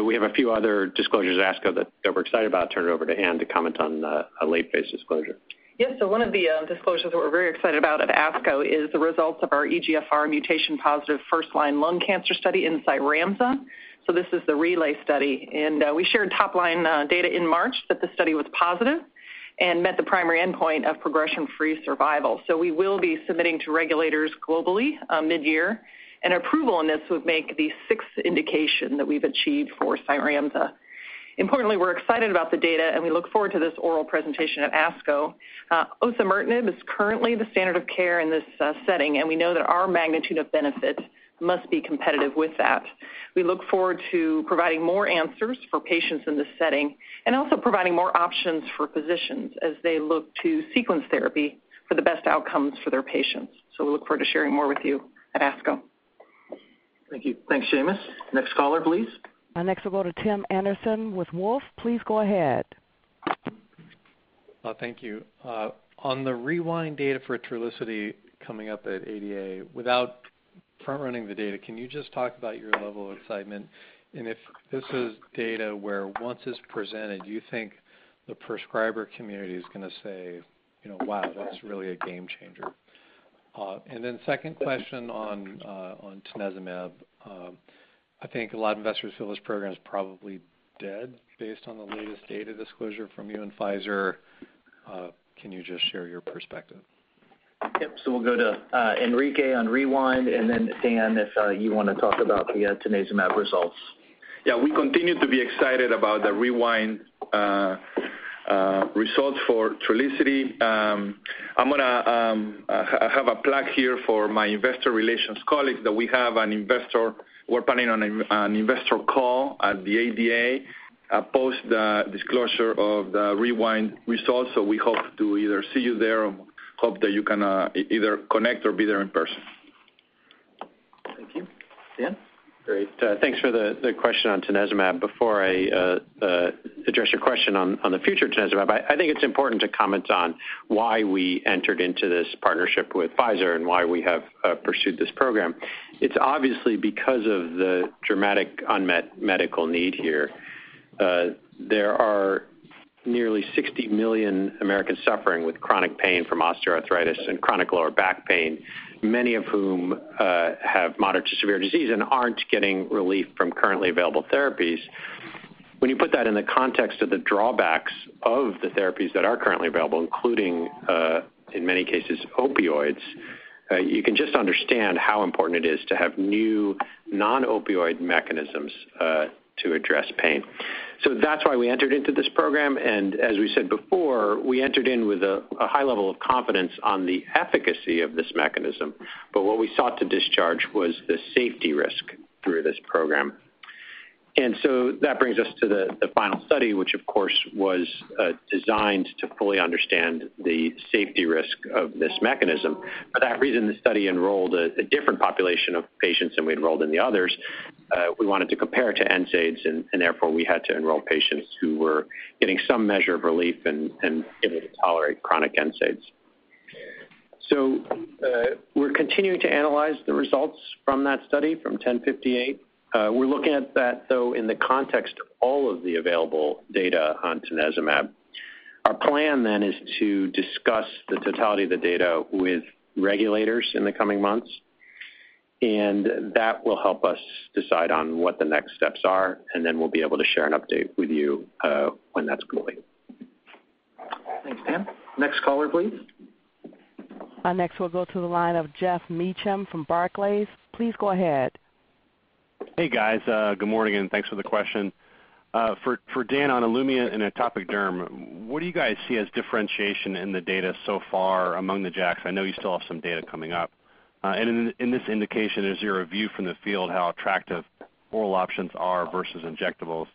we have a few other disclosures at ASCO that we're excited about. Turn it over to Anne to comment on a late-phase disclosure. Yes. One of the disclosures that we're very excited about at ASCO is the results of our EGFR mutation positive first-line lung cancer study in CYRAMZA. This is the RELAY study, and we shared top-line data in March that the study was positive and met the primary endpoint of progression-free survival. We will be submitting to regulators globally mid-year, and approval on this would make the sixth indication that we've achieved for CYRAMZA. Importantly, we're excited about the data, and we look forward to this oral presentation at ASCO. osimertinib is currently the standard of care in this setting, and we know that our magnitude of benefit must be competitive with that. We look forward to providing more answers for patients in this setting and also providing more options for physicians as they look to sequence therapy for the best outcomes for their patients. We look forward to sharing more with you at ASCO. Thank you. Thanks, Seamus. Next caller, please. Next, we'll go to Tim Anderson with Wolfe. Please go ahead. Thank you. On the REWIND data for Trulicity coming up at ADA, without front-running the data, can you just talk about your level of excitement? If this is data where once it's presented, do you think the prescriber community is going to say, "Wow, that's really a game changer"? Second question on tanezumab. I think a lot of investors feel this program is probably dead based on the latest data disclosure from you and Pfizer. Can you just share your perspective? Yep. We'll go to Enrique on REWIND, and then Dan, if you want to talk about the tanezumab results. Yeah. We continue to be excited about the REWIND results for Trulicity. I have a plug here for my investor relations colleagues that we're planning on an investor call at the ADA post the disclosure of the REWIND results. We hope to either see you there or hope that you can either connect or be there in person. Thank you. Dan? Great. Thanks for the question on tanezumab. Before I address your question on the future of tanezumab, I think it's important to comment on why we entered into this partnership with Pfizer and why we have pursued this program. It's obviously because of the dramatic unmet medical need here. There are nearly 60 million Americans suffering with chronic pain from osteoarthritis and chronic lower back pain, many of whom have moderate to severe disease and aren't getting relief from currently available therapies. When you put that in the context of the drawbacks of the therapies that are currently available, including, in many cases, opioids, you can just understand how important it is to have new non-opioid mechanisms to address pain. That's why we entered into this program, and as we said before, we entered in with a high level of confidence on the efficacy of this mechanism. What we sought to discharge was the safety risk through this program. That brings us to the final study, which of course, was designed to fully understand the safety risk of this mechanism. For that reason, the study enrolled a different population of patients than we enrolled in the others. We wanted to compare to NSAIDs, and therefore we had to enroll patients who were getting some measure of relief and able to tolerate chronic NSAIDs. We're continuing to analyze the results from that study from 1058. We're looking at that, though, in the context of all of the available data on tanezumab. Our plan is to discuss the totality of the data with regulators in the coming months, and that will help us decide on what the next steps are, we'll be able to share an update with you when that's complete. Thanks, Dan. Next caller, please. Next, we'll go to the line of Geoff Meacham from Barclays. Please go ahead. Hey, guys. Good morning, Thanks for the question. For Dan on OLUMIANT and atopic derm, what do you guys see as differentiation in the data so far among the JAKs? I know you still have some data coming up. In this indication, is your view from the field how attractive oral options are versus injectables?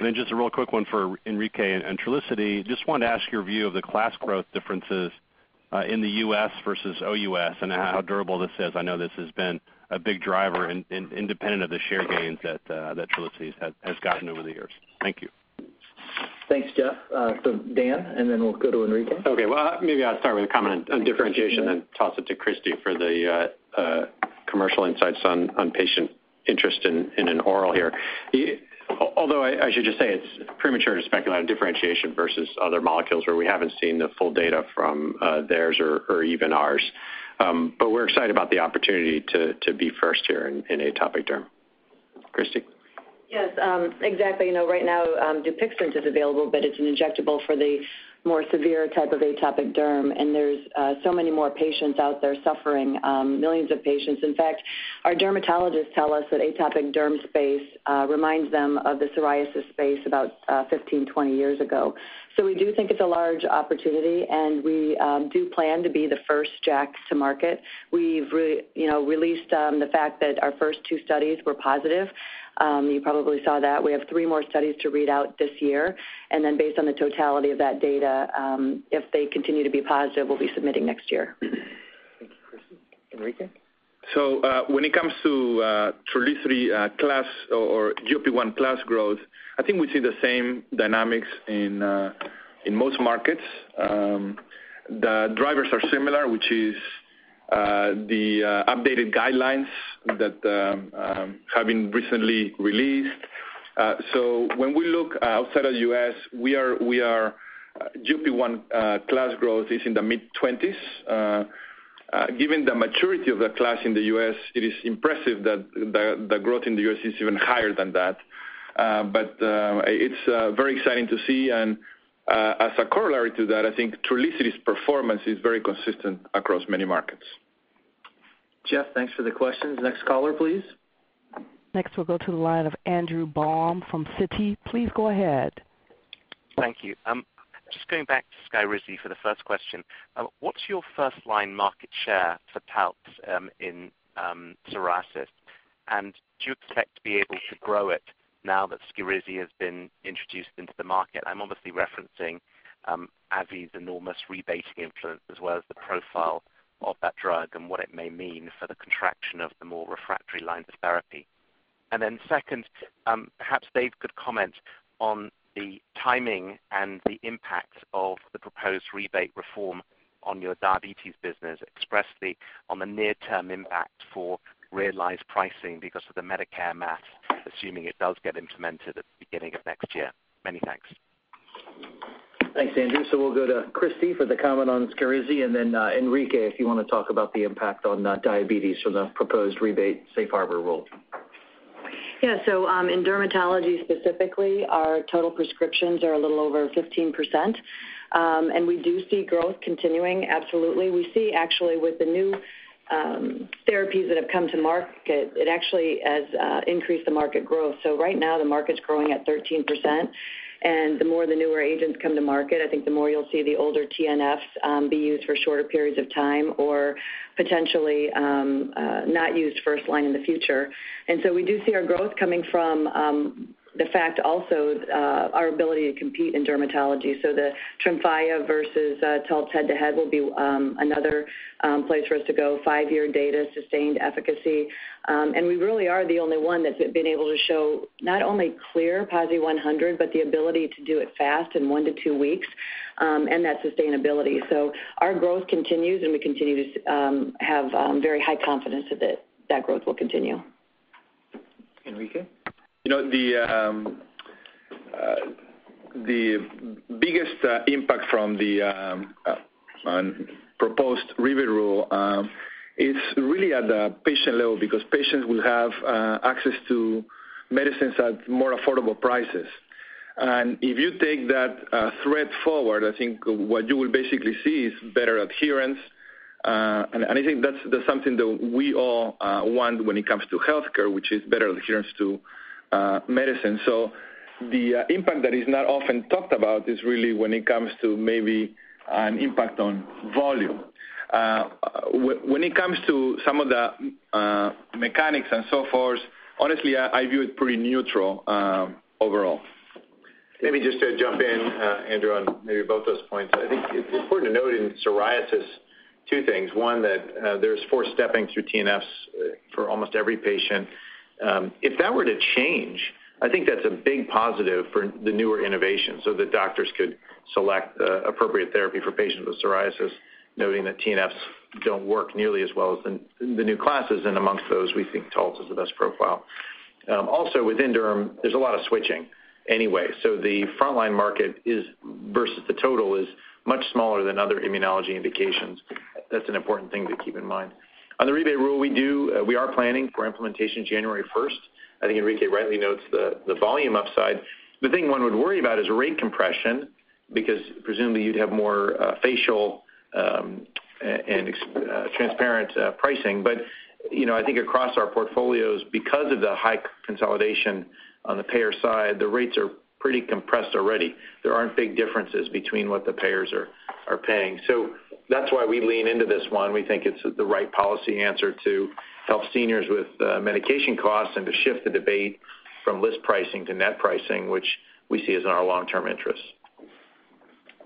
Then just a real quick one for Enrique and Trulicity. Just wanted to ask your view of the class growth differences in the U.S. versus OUS and How durable this is. I know this has been a big driver independent of the share gains that Trulicity has gotten over the years. Thank you. Thanks, Geoff. Dan, Then we'll go to Enrique. Well, maybe I'll start with a comment on differentiation, then toss it to Christi for the commercial insights on patient interest in an oral here. Although I should just say it's premature to speculate on differentiation versus other molecules where we haven't seen the full data from theirs or even ours. We're excited about the opportunity to be first here in atopic derm. Christi? Yes. Exactly. Right now, DUPIXENT is available, but it's an injectable for the more severe type of atopic derm, and there's so many more patients out there suffering, millions of patients. In fact, our dermatologists tell us that atopic derm space reminds them of the psoriasis space about 15, 20 years ago. We do think it's a large opportunity, and we do plan to be the first JAK to market. We've released the fact that our first two studies were positive. You probably saw that. We have three more studies to read out this year, then based on the totality of that data, if they continue to be positive, we'll be submitting next year. Thank you, Christi. Enrique? When it comes to Trulicity class or GLP-1 class growth, I think we see the same dynamics in most markets. The drivers are similar, which is the updated guidelines that have been recently released. When we look outside of the U.S., GLP-1 class growth is in the mid-20s. Given the maturity of the class in the U.S., it is impressive that the growth in the U.S. is even higher than that. It's very exciting to see, as a corollary to that, I think Trulicity's performance is very consistent across many markets. Geoff, thanks for the questions. Next caller, please. We'll go to the line of Andrew Baum from Citi. Please go ahead. Thank you. Just going back to SKYRIZI for the first question. What's your first-line market share for Taltz in psoriasis, and do you expect to be able to grow it now that SKYRIZI has been introduced into the market? I'm obviously referencing AbbVie's enormous rebating influence as well as the profile of that drug and what it may mean for the contraction of the more refractory lines of therapy. Second, perhaps Dave could comment on the timing and the impact of the proposed rebate reform on your diabetes business, expressly on the near-term impact for realized pricing because of the Medicare math, assuming it does get implemented at the beginning of next year. Many thanks. Thanks, Andrew. We'll go to Christi for the comment on SKYRIZI, and then Enrique, if you want to talk about the impact on diabetes from the proposed rebate safe harbor rule. In dermatology specifically, our total prescriptions are a little over 15%, and we do see growth continuing, absolutely. We see with the new therapies that have come to market, it has increased the market growth. Right now the market's growing at 13%. The more the newer agents come to market, I think the more you'll see the older TNFs be used for shorter periods of time or potentially not used first line in the future. We do see our growth coming from the fact also our ability to compete in dermatology. The TREMFYA versus Taltz head-to-head will be another place for us to go. Five-year data, sustained efficacy. We really are the only one that's been able to show not only clear PASI 100, but the ability to do it fast in one to two weeks, and that sustainability. Our growth continues. We continue to have very high confidence that that growth will continue. Enrique? The biggest impact from the proposed rebate rule is really at the patient level, because patients will have access to medicines at more affordable prices. If you take that thread forward, I think what you will basically see is better adherence. I think that's something that we all want when it comes to healthcare, which is better adherence to medicine. The impact that is not often talked about is really when it comes to maybe an impact on volume. When it comes to some of the mechanics and so forth, honestly, I view it pretty neutral overall. Maybe just to jump in, Andrew, on maybe both those points. I think it's important to note in psoriasis two things. One, that there's 4 stepping through TNFs for almost every patient. If that were to change, I think that's a big positive for the newer innovations, so that doctors could select appropriate therapy for patients with psoriasis, noting that TNFs don't work nearly as well as the new classes. Amongst those, we think Taltz is the best profile. Also within derm, there's a lot of switching anyway. The frontline market versus the total is much smaller than other immunology indications. That's an important thing to keep in mind. On the rebate rule, we are planning for implementation January 1st. I think Enrique rightly notes the volume upside. The thing one would worry about is rate compression, because presumably you'd have more facial and transparent pricing. I think across our portfolios, because of the high consolidation on the payer side, the rates are pretty compressed already. There aren't big differences between what the payers are paying. That's why we lean into this one. We think it's the right policy answer to help seniors with medication costs and to shift the debate from list pricing to net pricing, which we see is in our long-term interest.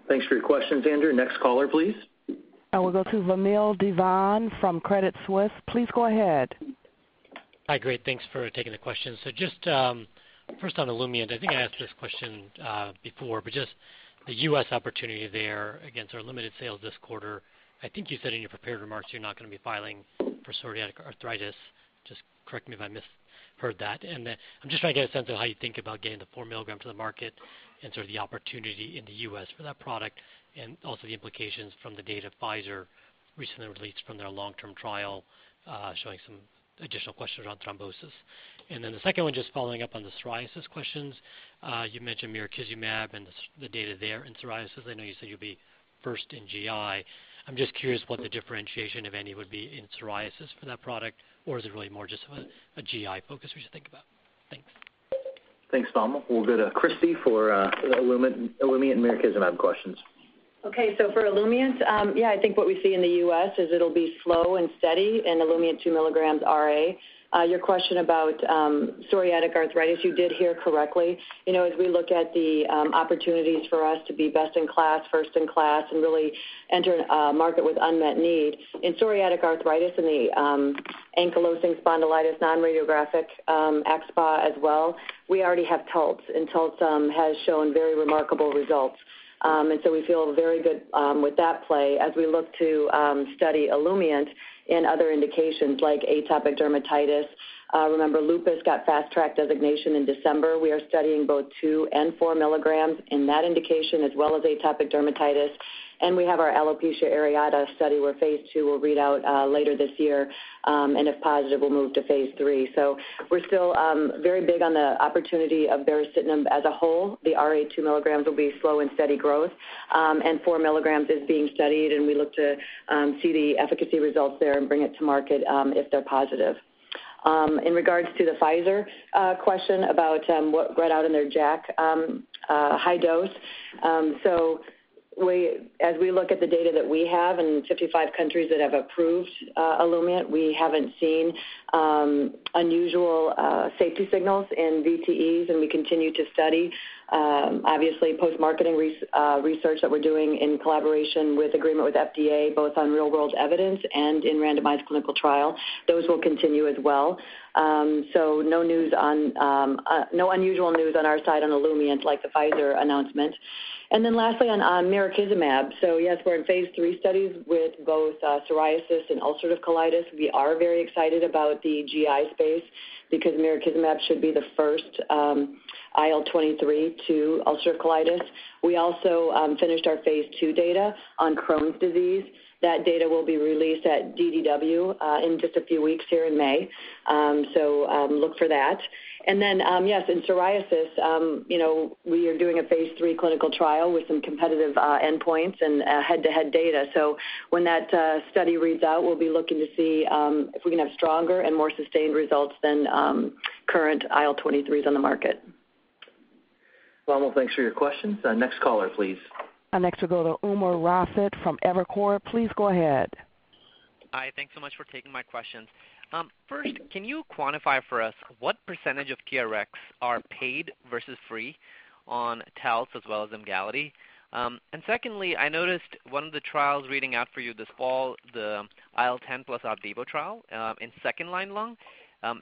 Thanks for your questions, Andrew. Next caller, please. I will go to Vamil Divan from Credit Suisse. Please go ahead. Hi, great. Thanks for taking the question. Just first on OLUMIANT, I think I asked this question before, but just the U.S. opportunity there against our limited sales this quarter. I think you said in your prepared remarks you're not going to be filing for psoriatic arthritis. Just correct me if I misheard that. I'm just trying to get a sense of how you think about getting the 4 mg to the market and sort of the opportunity in the U.S. for that product and also the implications from the data Pfizer recently released from their long-term trial showing some additional questions around thrombosis. Then the second one, just following up on the psoriasis questions. You mentioned mirikizumab and the data there in psoriasis. I know you said you'll be first in GI. I'm just curious what the differentiation, if any, would be in psoriasis for that product, or is it really more just a GI focus we should think about? Thanks. Thanks, Vamil. We'll go to Christi for OLUMIANT and mirikizumab questions. I think what we see in the U.S. is it'll be slow and steady in OLUMIANT 2 mg RA. Your question about psoriatic arthritis, you did hear correctly. As we look at the opportunities for us to be best in class, first in class, and really enter a market with unmet need. In psoriatic arthritis, in the ankylosing spondylitis, non-radiographic axSpA as well, we already have Taltz, and Taltz has shown very remarkable results. We feel very good with that play as we look to study OLUMIANT in other indications like atopic dermatitis. Remember, lupus got fast track designation in December. We are studying both 2 and 4 mg in that indication as well as atopic dermatitis. We have our alopecia areata study where phase II will read out later this year, and if positive, we'll move to phase III. We're still very big on the opportunity of baricitinib as a whole. The RA 2 mg will be slow and steady growth, and 4 mg is being studied, and we look to see the efficacy results there and bring it to market if they're positive. In regards to the Pfizer question about what read out in their JAK high dose. As we look at the data that we have in 55 countries that have approved OLUMIANT, we haven't seen unusual safety signals in VTEs, and we continue to study. Obviously, post-marketing research that we're doing in collaboration with agreement with FDA, both on real-world evidence and in randomized clinical trial. Those will continue as well. No unusual news on our side on OLUMIANT like the Pfizer announcement. Lastly on mirikizumab. Yes, we're in phase III studies with both psoriasis and ulcerative colitis. We are very excited about the GI space because mirikizumab should be the first IL-23 to ulcerative colitis. We also finished our phase II data on Crohn's disease. That data will be released at DDW in just a few weeks here in May. Look for that. In psoriasis, we are doing a phase III clinical trial with some competitive endpoints and head-to-head data. When that study reads out, we will be looking to see if we can have stronger and more sustained results than current IL-23s on the market. Vamil, thanks for your question. Next caller, please. Next, we will go to Umer Raffat from Evercore. Please go ahead. Hi. Thanks so much for taking my questions. First, can you quantify for us what % of Rx are paid versus free on Taltz as well as Emgality? Secondly, I noticed one of the trials reading out for you this fall, the IL-10 plus Opdivo trial in second-line lung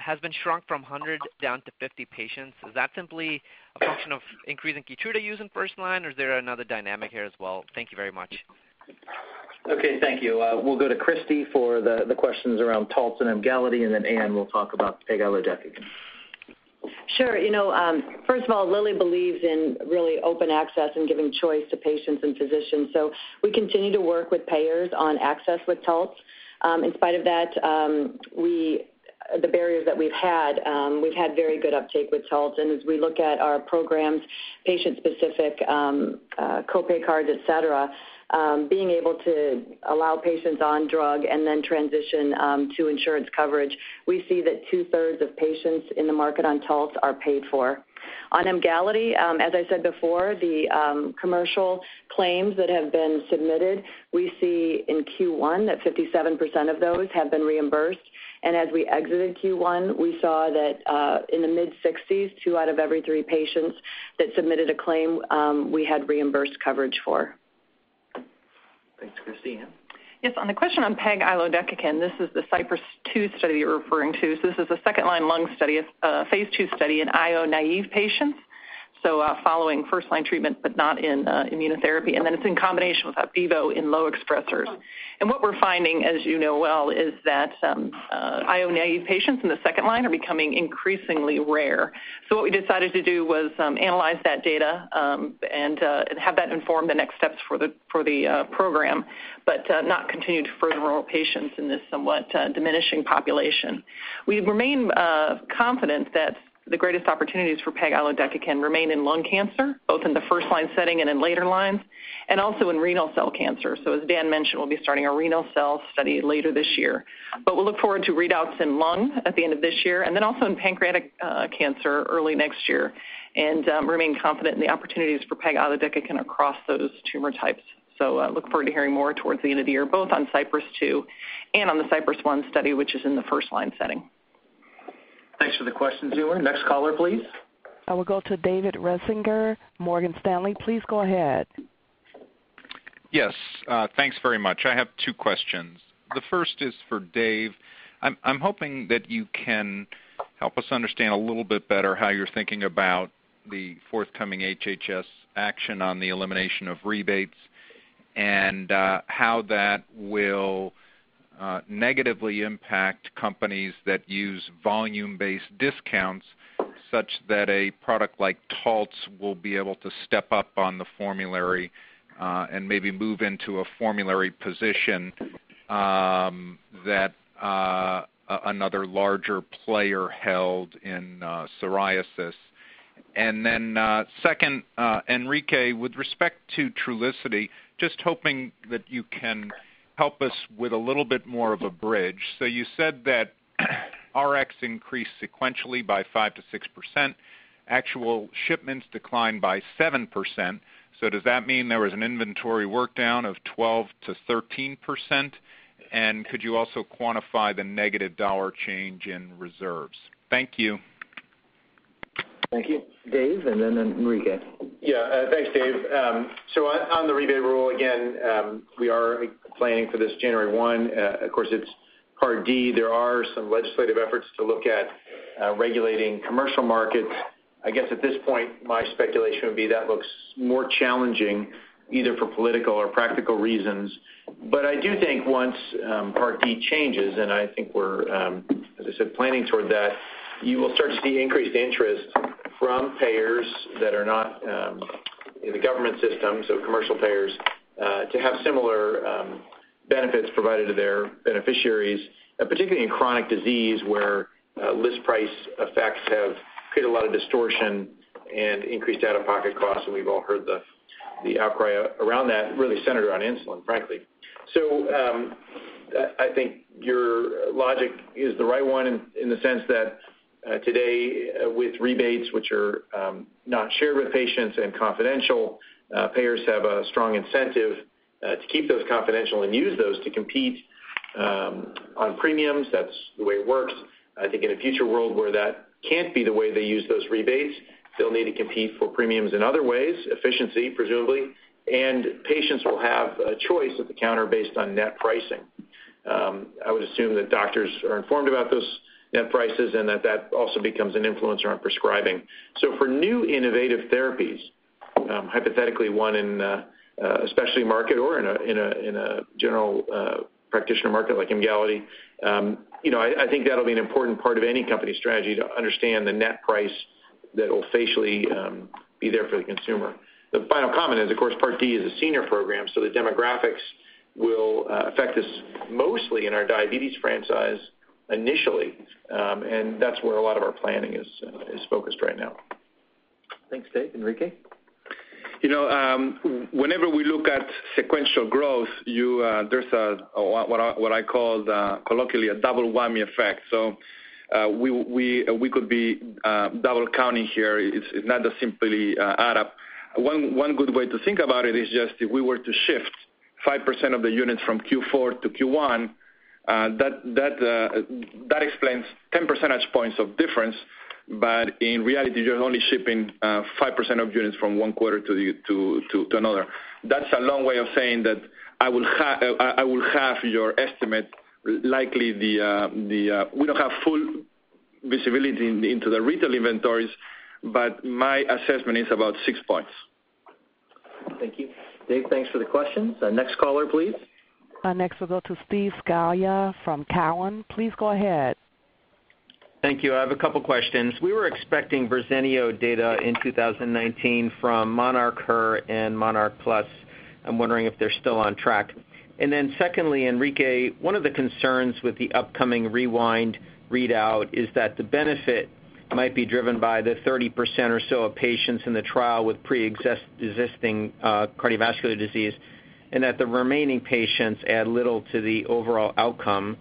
has been shrunk from 100 down to 50 patients. Is that simply a function of increasing KEYTRUDA use in first line or is there another dynamic here as well? Thank you very much. Okay, thank you. We'll go to Christi for the questions around Taltz and Emgality, and then Anne will talk about pegilodecakin. Sure. First of all, Lilly believes in really open access and giving choice to patients and physicians. We continue to work with payers on access with Taltz. In spite of that, the barriers that we've had, we've had very good uptake with Taltz, and as we look at our programs, patient-specific co-pay cards, et cetera, being able to allow patients on drug and then transition to insurance coverage, we see that two-thirds of patients in the market on Taltz are paid for. On Emgality, as I said before, the commercial claims that have been submitted, we see in Q1 that 57% of those have been reimbursed. As we exited Q1, we saw that in the mid-60s, two out of every three patients that submitted a claim, we had reimbursed coverage for. Thanks, Christi. Anne? Yes, on the question on pegilodecakin, this is the CYPRESS 2 study you're referring to. This is a second-line lung study. It's a phase II study in IO-naive patients, following first-line treatment, but not in immunotherapy. It's in combination with Opdivo in low expressers. What we're finding, as you know well, is that IO-naive patients in the second line are becoming increasingly rare. What we decided to do was analyze that data, and have that inform the next steps for the program, but not continue to further enroll patients in this somewhat diminishing population. We remain confident that the greatest opportunities for pegilodecakin remain in lung cancer, both in the first-line setting and in later lines, and also in renal cell cancer. As Dan mentioned, we'll be starting a renal cell study later this year. We'll look forward to readouts in lung at the end of this year, then also in pancreatic cancer early next year, and remain confident in the opportunities for pegilodecakin across those tumor types. Look forward to hearing more towards the end of the year, both on CYPRESS 2 and on the CYPRESS 1 study, which is in the first-line setting. Thanks for the questions, Umer. Next caller, please. I will go to David Risinger, Morgan Stanley. Please go ahead. Yes. Thanks very much. I have two questions. The first is for Dave. I'm hoping that you can help us understand a little bit better how you're thinking about the forthcoming HHS action on the elimination of rebates and how that will negatively impact companies that use volume-based discounts such that a product like Taltz will be able to step up on the formulary, and maybe move into a formulary position that another larger player held in psoriasis. Then, second, Enrique, with respect to Trulicity, just hoping that you can help us with a little bit more of a bridge. You said that Rx increased sequentially by 5%-6%. Actual shipments declined by 7%. Does that mean there was an inventory work down of 12%-13%? And could you also quantify the negative dollar change in reserves? Thank you. Thank you. Dave, then Enrique. On the rebate rule, again, we are planning for this January 1. Of course, it's Part D. There are some legislative efforts to look at regulating commercial markets. I guess at this point, my speculation would be that looks more challenging either for political or practical reasons. I do think once Part D changes, and I think we're, as I said, planning toward that, you will start to see increased interest from payers that are not in the government system, commercial payers, to have similar benefits provided to their beneficiaries, and particularly in chronic disease where list price effects have created a lot of distortion and increased out-of-pocket costs. We've all heard the outcry around that really centered on insulin, frankly. I think your logic is the right one in the sense that today, with rebates, which are not shared with patients and confidential, payers have a strong incentive to keep those confidential and use those to compete on premiums. That's the way it works. I think in a future world where that can't be the way they use those rebates, they'll need to compete for premiums in other ways, efficiency, presumably, and patients will have a choice at the counter based on net pricing. I would assume that doctors are informed about those net prices and that that also becomes an influencer on prescribing. For new innovative therapies, hypothetically one in a specialty market or in a general practitioner market like Emgality, I think that'll be an important part of any company's strategy to understand the net price that'll facially be there for the consumer. The final comment is, of course, Part D is a senior program, the demographics will affect us mostly in our diabetes franchise initially. That's where a lot of our planning is focused right now. Thanks, Dave. Enrique? Whenever we look at sequential growth, there's what I call colloquially a double whammy effect. We could be double counting here. It's not a simply add up. One good way to think about it is just if we were to shift 5% of the units from Q4 to Q1, that explains 10 percentage points of difference. In reality, you're only shipping 5% of units from one quarter to another. That's a long way of saying that I will half your estimate. We don't have full visibility into the retail inventories, but my assessment is about six points. Thank you. Dave, thanks for the questions. Next caller, please. Next, we'll go to Steve Scala from Cowen. Please go ahead. Thank you. I have a couple questions. We were expecting Verzenio data in 2019 from monarchE and MONARCH+. I'm wondering if they're still on track. Secondly, Enrique, one of the concerns with the upcoming REWIND readout is that the benefit might be driven by the 30% or so of patients in the trial with pre-existing cardiovascular disease, and that the remaining patients add little to the overall outcome.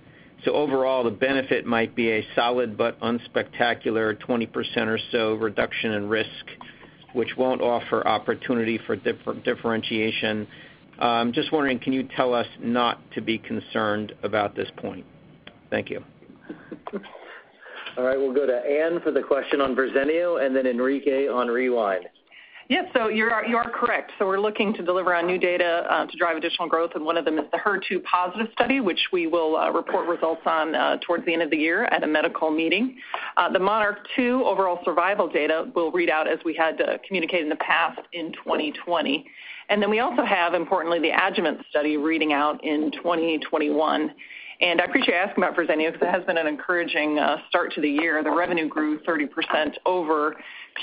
Overall, the benefit might be a solid but unspectacular 20% or so reduction in risk, which won't offer opportunity for differentiation. Just wondering, can you tell us not to be concerned about this point? Thank you. All right, we'll go to Anne for the question on Verzenio, and then Enrique on REWIND. Yes. You are correct. We're looking to deliver on new data to drive additional growth, and one of them is the HER2 positive study, which we will report results on towards the end of the year at a medical meeting. The MONARCH 2 overall survival data will read out as we had communicated in the past in 2020. We also have, importantly, the adjuvant study reading out in 2021. I appreciate you asking about Verzenio because it has been an encouraging start to the year. The revenue grew 30% over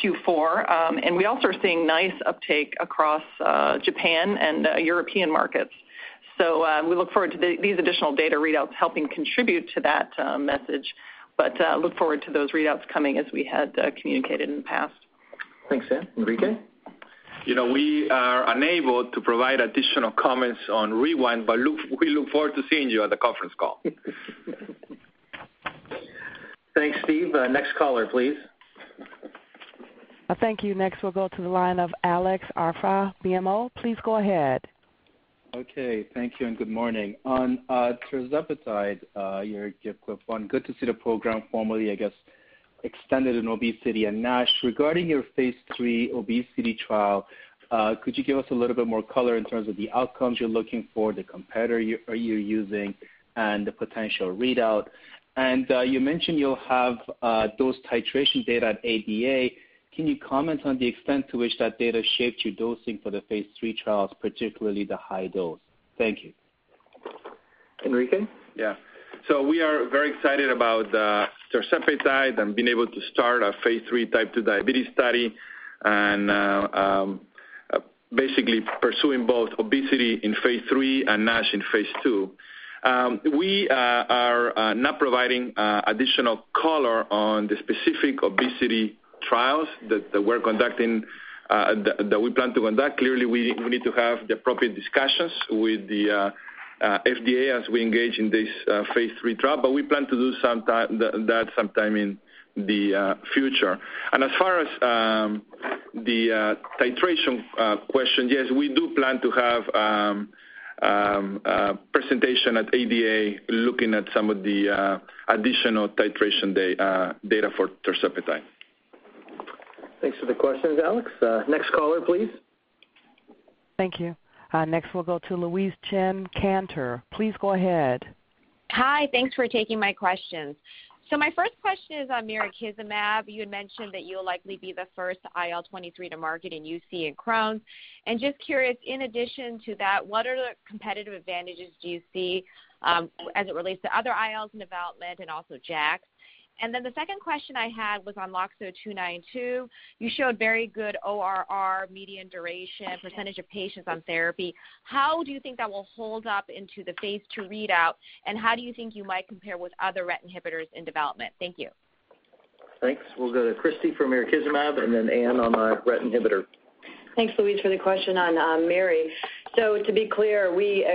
Q4. We also are seeing nice uptake across Japan and European markets. We look forward to these additional data readouts helping contribute to that message, but look forward to those readouts coming as we had communicated in the past. Thanks, Anne. Enrique? We are unable to provide additional comments on REWIND, but we look forward to seeing you at the conference call. Thanks, Steve. Next caller, please. Thank you. Next, we'll go to the line of Alex Arfa, BMO. Please go ahead. Okay. Thank you and good morning. On tirzepatide, your GLP-1, good to see the program formally, I guess, extended in obesity and NASH. Regarding your phase III obesity trial, could you give us a little bit more color in terms of the outcomes you're looking for, the competitor you're using, and the potential readout? You mentioned you'll have dose titration data at ADA. Can you comment on the extent to which that data shaped your dosing for the phase III trials, particularly the high dose? Thank you. Enrique? We are very excited about tirzepatide and being able to start our phase III type 2 diabetes study and basically pursuing both obesity in phase III and NASH in phase II. We are not providing additional color on the specific obesity trials that we plan to conduct. Clearly, we need to have the appropriate discussions with the FDA as we engage in this phase III trial, but we plan to do that sometime in the future. As far as the titration question, yes, we do plan to have a presentation at ADA looking at some of the additional titration data for tirzepatide. Thanks for the questions, Alex. Next caller, please. Thank you. Next, we'll go to Louise Chen, Cantor. Please go ahead. Hi. Thanks for taking my questions. My first question is on mirikizumab. You had mentioned that you'll likely be the first IL-23 to market in UC and Crohn's. Just curious, in addition to that, what other competitive advantages do you see as it relates to other ILs in development and also JAK? The second question I had was on LOXO-292. You showed very good ORR, median duration, percentage of patients on therapy. How do you think that will hold up into the phase II readout, and how do you think you might compare with other RET inhibitors in development? Thank you. Thanks. We'll go to Christi for mirikizumab, and then Anne on the RET inhibitor. Thanks, Louise, for the question on miri. To be clear, we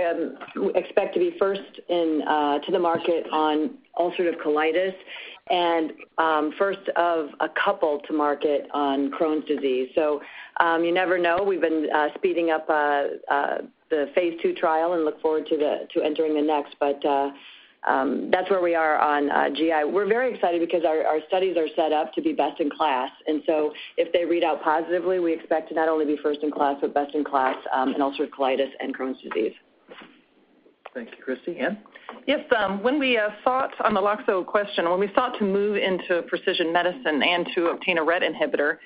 expect to be first to the market on ulcerative colitis and first of a couple to market on Crohn's disease. You never know. We've been speeding up the phase II trial and look forward to entering the next. That's where we are on GI. We're very excited because our studies are set up to be best in class, if they read out positively, we expect to not only be first in class, but best in class in ulcerative colitis and Crohn's disease. Thank you, Christi. Anne? Yes. On the LOXO question, when we sought to move into precision medicine and to obtain a RET inhibitor,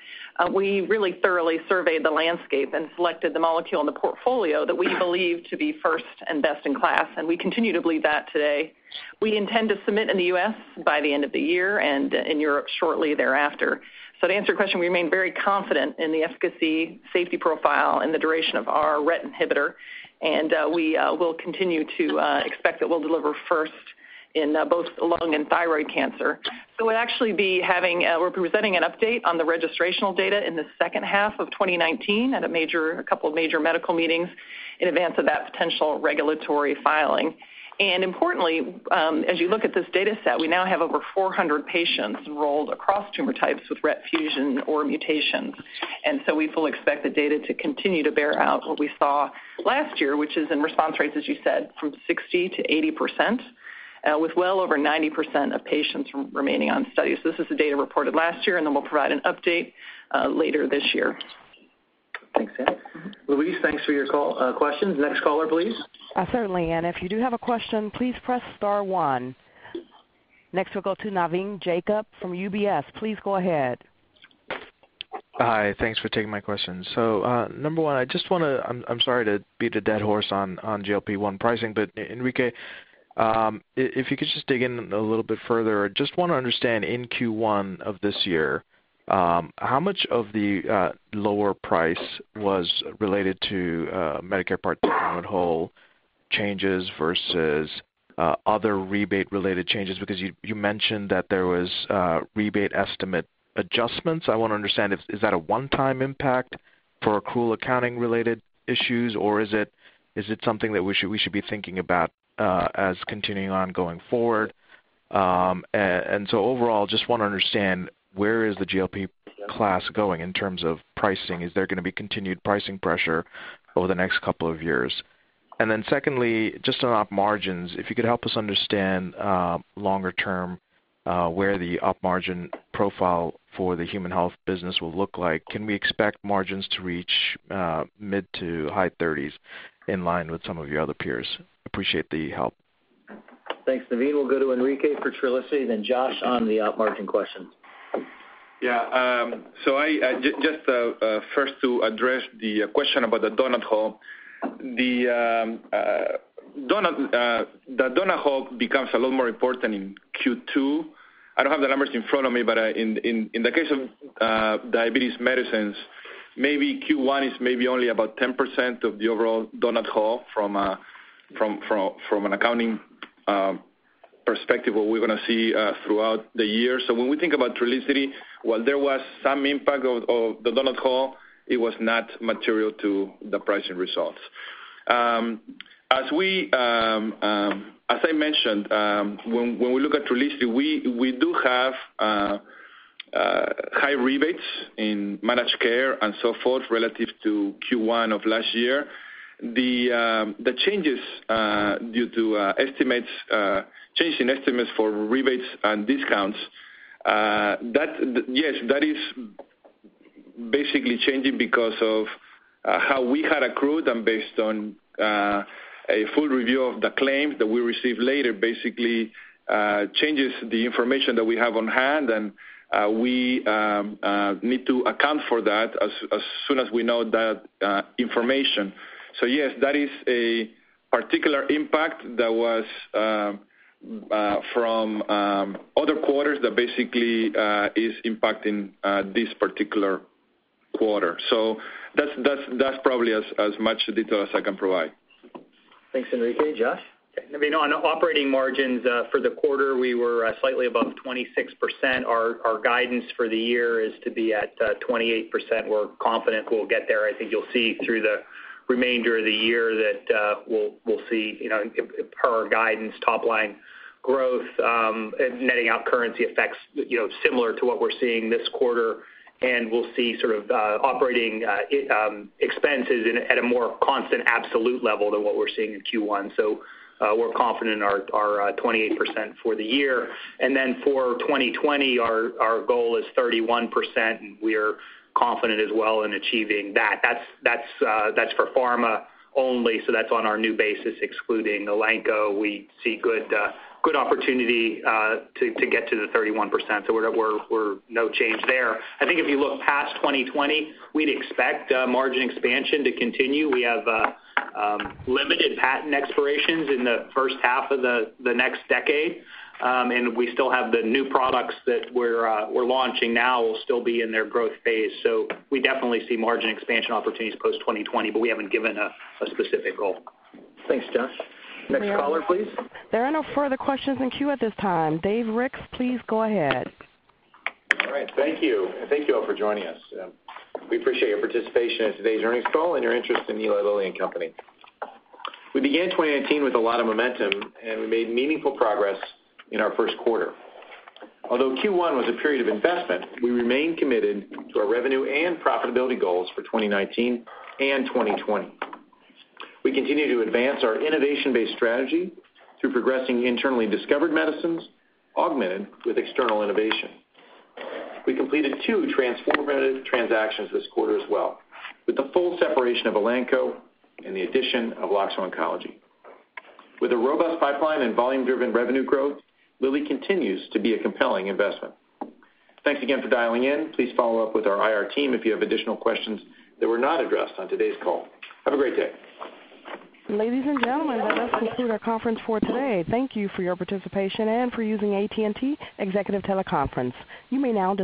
we really thoroughly surveyed the landscape and selected the molecule in the portfolio that we believe to be first and best in class, and we continue to believe that today. We intend to submit in the U.S. by the end of the year and in Europe shortly thereafter. To answer your question, we remain very confident in the efficacy, safety profile, and the duration of our RET inhibitor, and we will continue to expect that we'll deliver first in both lung and thyroid cancer. We're presenting an update on the registrational data in the second half of 2019 at a couple of major medical meetings in advance of that potential regulatory filing. As you look at this data set, we now have over 400 patients enrolled across tumor types with RET fusion or mutations. We fully expect the data to continue to bear out what we saw last year, which is in response rates, as you said, from 60%-80%, with well over 90% of patients remaining on study. This is the data reported last year, then we'll provide an update later this year. Thanks, Anne. Louise, thanks for your call, question. Next caller, please. Certainly. If you do have a question, please press star one. Next, we'll go to Navin Jacob from UBS. Please go ahead. Hi, thanks for taking my question. Number one, I'm sorry to beat a dead horse on GLP-1 pricing, but Enrique, if you could just dig in a little bit further. Just want to understand, in Q1 of this year, how much of the lower price was related to Medicare Part D donut hole changes versus other rebate-related changes? Because you mentioned that there was rebate estimate adjustments. I want to understand, is that a one-time impact for accrual accounting related issues, or is it something that we should be thinking about as continuing on going forward? Overall, just want to understand, where is the GLP class going in terms of pricing? Is there going to be continued pricing pressure over the next couple of years? Secondly, just on op margins, if you could help us understand longer term, where the op margin profile for the human health business will look like. Can we expect margins to reach mid to high thirties in line with some of your other peers? Appreciate the help. Thanks, Navin. We'll go to Enrique for Trulicity, Josh on the op margin question. Just first to address the question about the donut hole. The donut hole becomes a lot more important in Q2. I don't have the numbers in front of me, but in the case of diabetes medicines, maybe Q1 is maybe only about 10% of the overall donut hole from an accounting perspective, what we're going to see throughout the year. When we think about Trulicity, while there was some impact of the donut hole, it was not material to the pricing results. As I mentioned, when we look at Trulicity, we do have high rebates in managed care and so forth relative to Q1 of last year. The changes due to estimates, change in estimates for rebates and discounts, yes, that is basically changing because of how we had accrued them based on a full review of the claims that we receive later, basically changes the information that we have on hand, and we need to account for that as soon as we know that information. Yes, that is a particular impact that was from other quarters that basically is impacting this particular quarter. That's probably as much detail as I can provide. Thanks, Enrique. Josh? Navin, on operating margins for the quarter, we were slightly above 26%. Our guidance for the year is to be at 28%. We're confident we'll get there. I think you'll see through the remainder of the year that we'll see per our guidance, top line growth netting out currency effects similar to what we're seeing this quarter, and we'll see sort of operating expenses at a more constant absolute level than what we're seeing in Q1. We're confident in our 28% for the year. For 2020, our goal is 31%, and we're confident as well in achieving that. That's for pharma only, so that's on our new basis excluding Elanco. We see good opportunity to get to the 31%. We're no change there. If you look past 2020, we'd expect margin expansion to continue. We have limited patent expirations in the first half of the next decade. We still have the new products that we're launching now will still be in their growth phase. We definitely see margin expansion opportunities post-2020, but we haven't given a specific goal. Thanks, Josh. Next caller, please. There are no further questions in queue at this time. David Ricks, please go ahead. All right. Thank you. Thank you all for joining us. We appreciate your participation in today's earnings call and your interest in Eli Lilly and Company. We began 2019 with a lot of momentum. We made meaningful progress in our first quarter. Although Q1 was a period of investment, we remain committed to our revenue and profitability goals for 2019 and 2020. We continue to advance our innovation-based strategy through progressing internally discovered medicines, augmented with external innovation. We completed two transformative transactions this quarter as well, with the full separation of Elanco and the addition of Loxo Oncology. With a robust pipeline and volume-driven revenue growth, Lilly continues to be a compelling investment. Thanks again for dialing in. Please follow up with our IR team if you have additional questions that were not addressed on today's call. Have a great day. Ladies and gentlemen, that does conclude our conference for today. Thank you for your participation and for using AT&T TeleConference Services. You may now disconnect.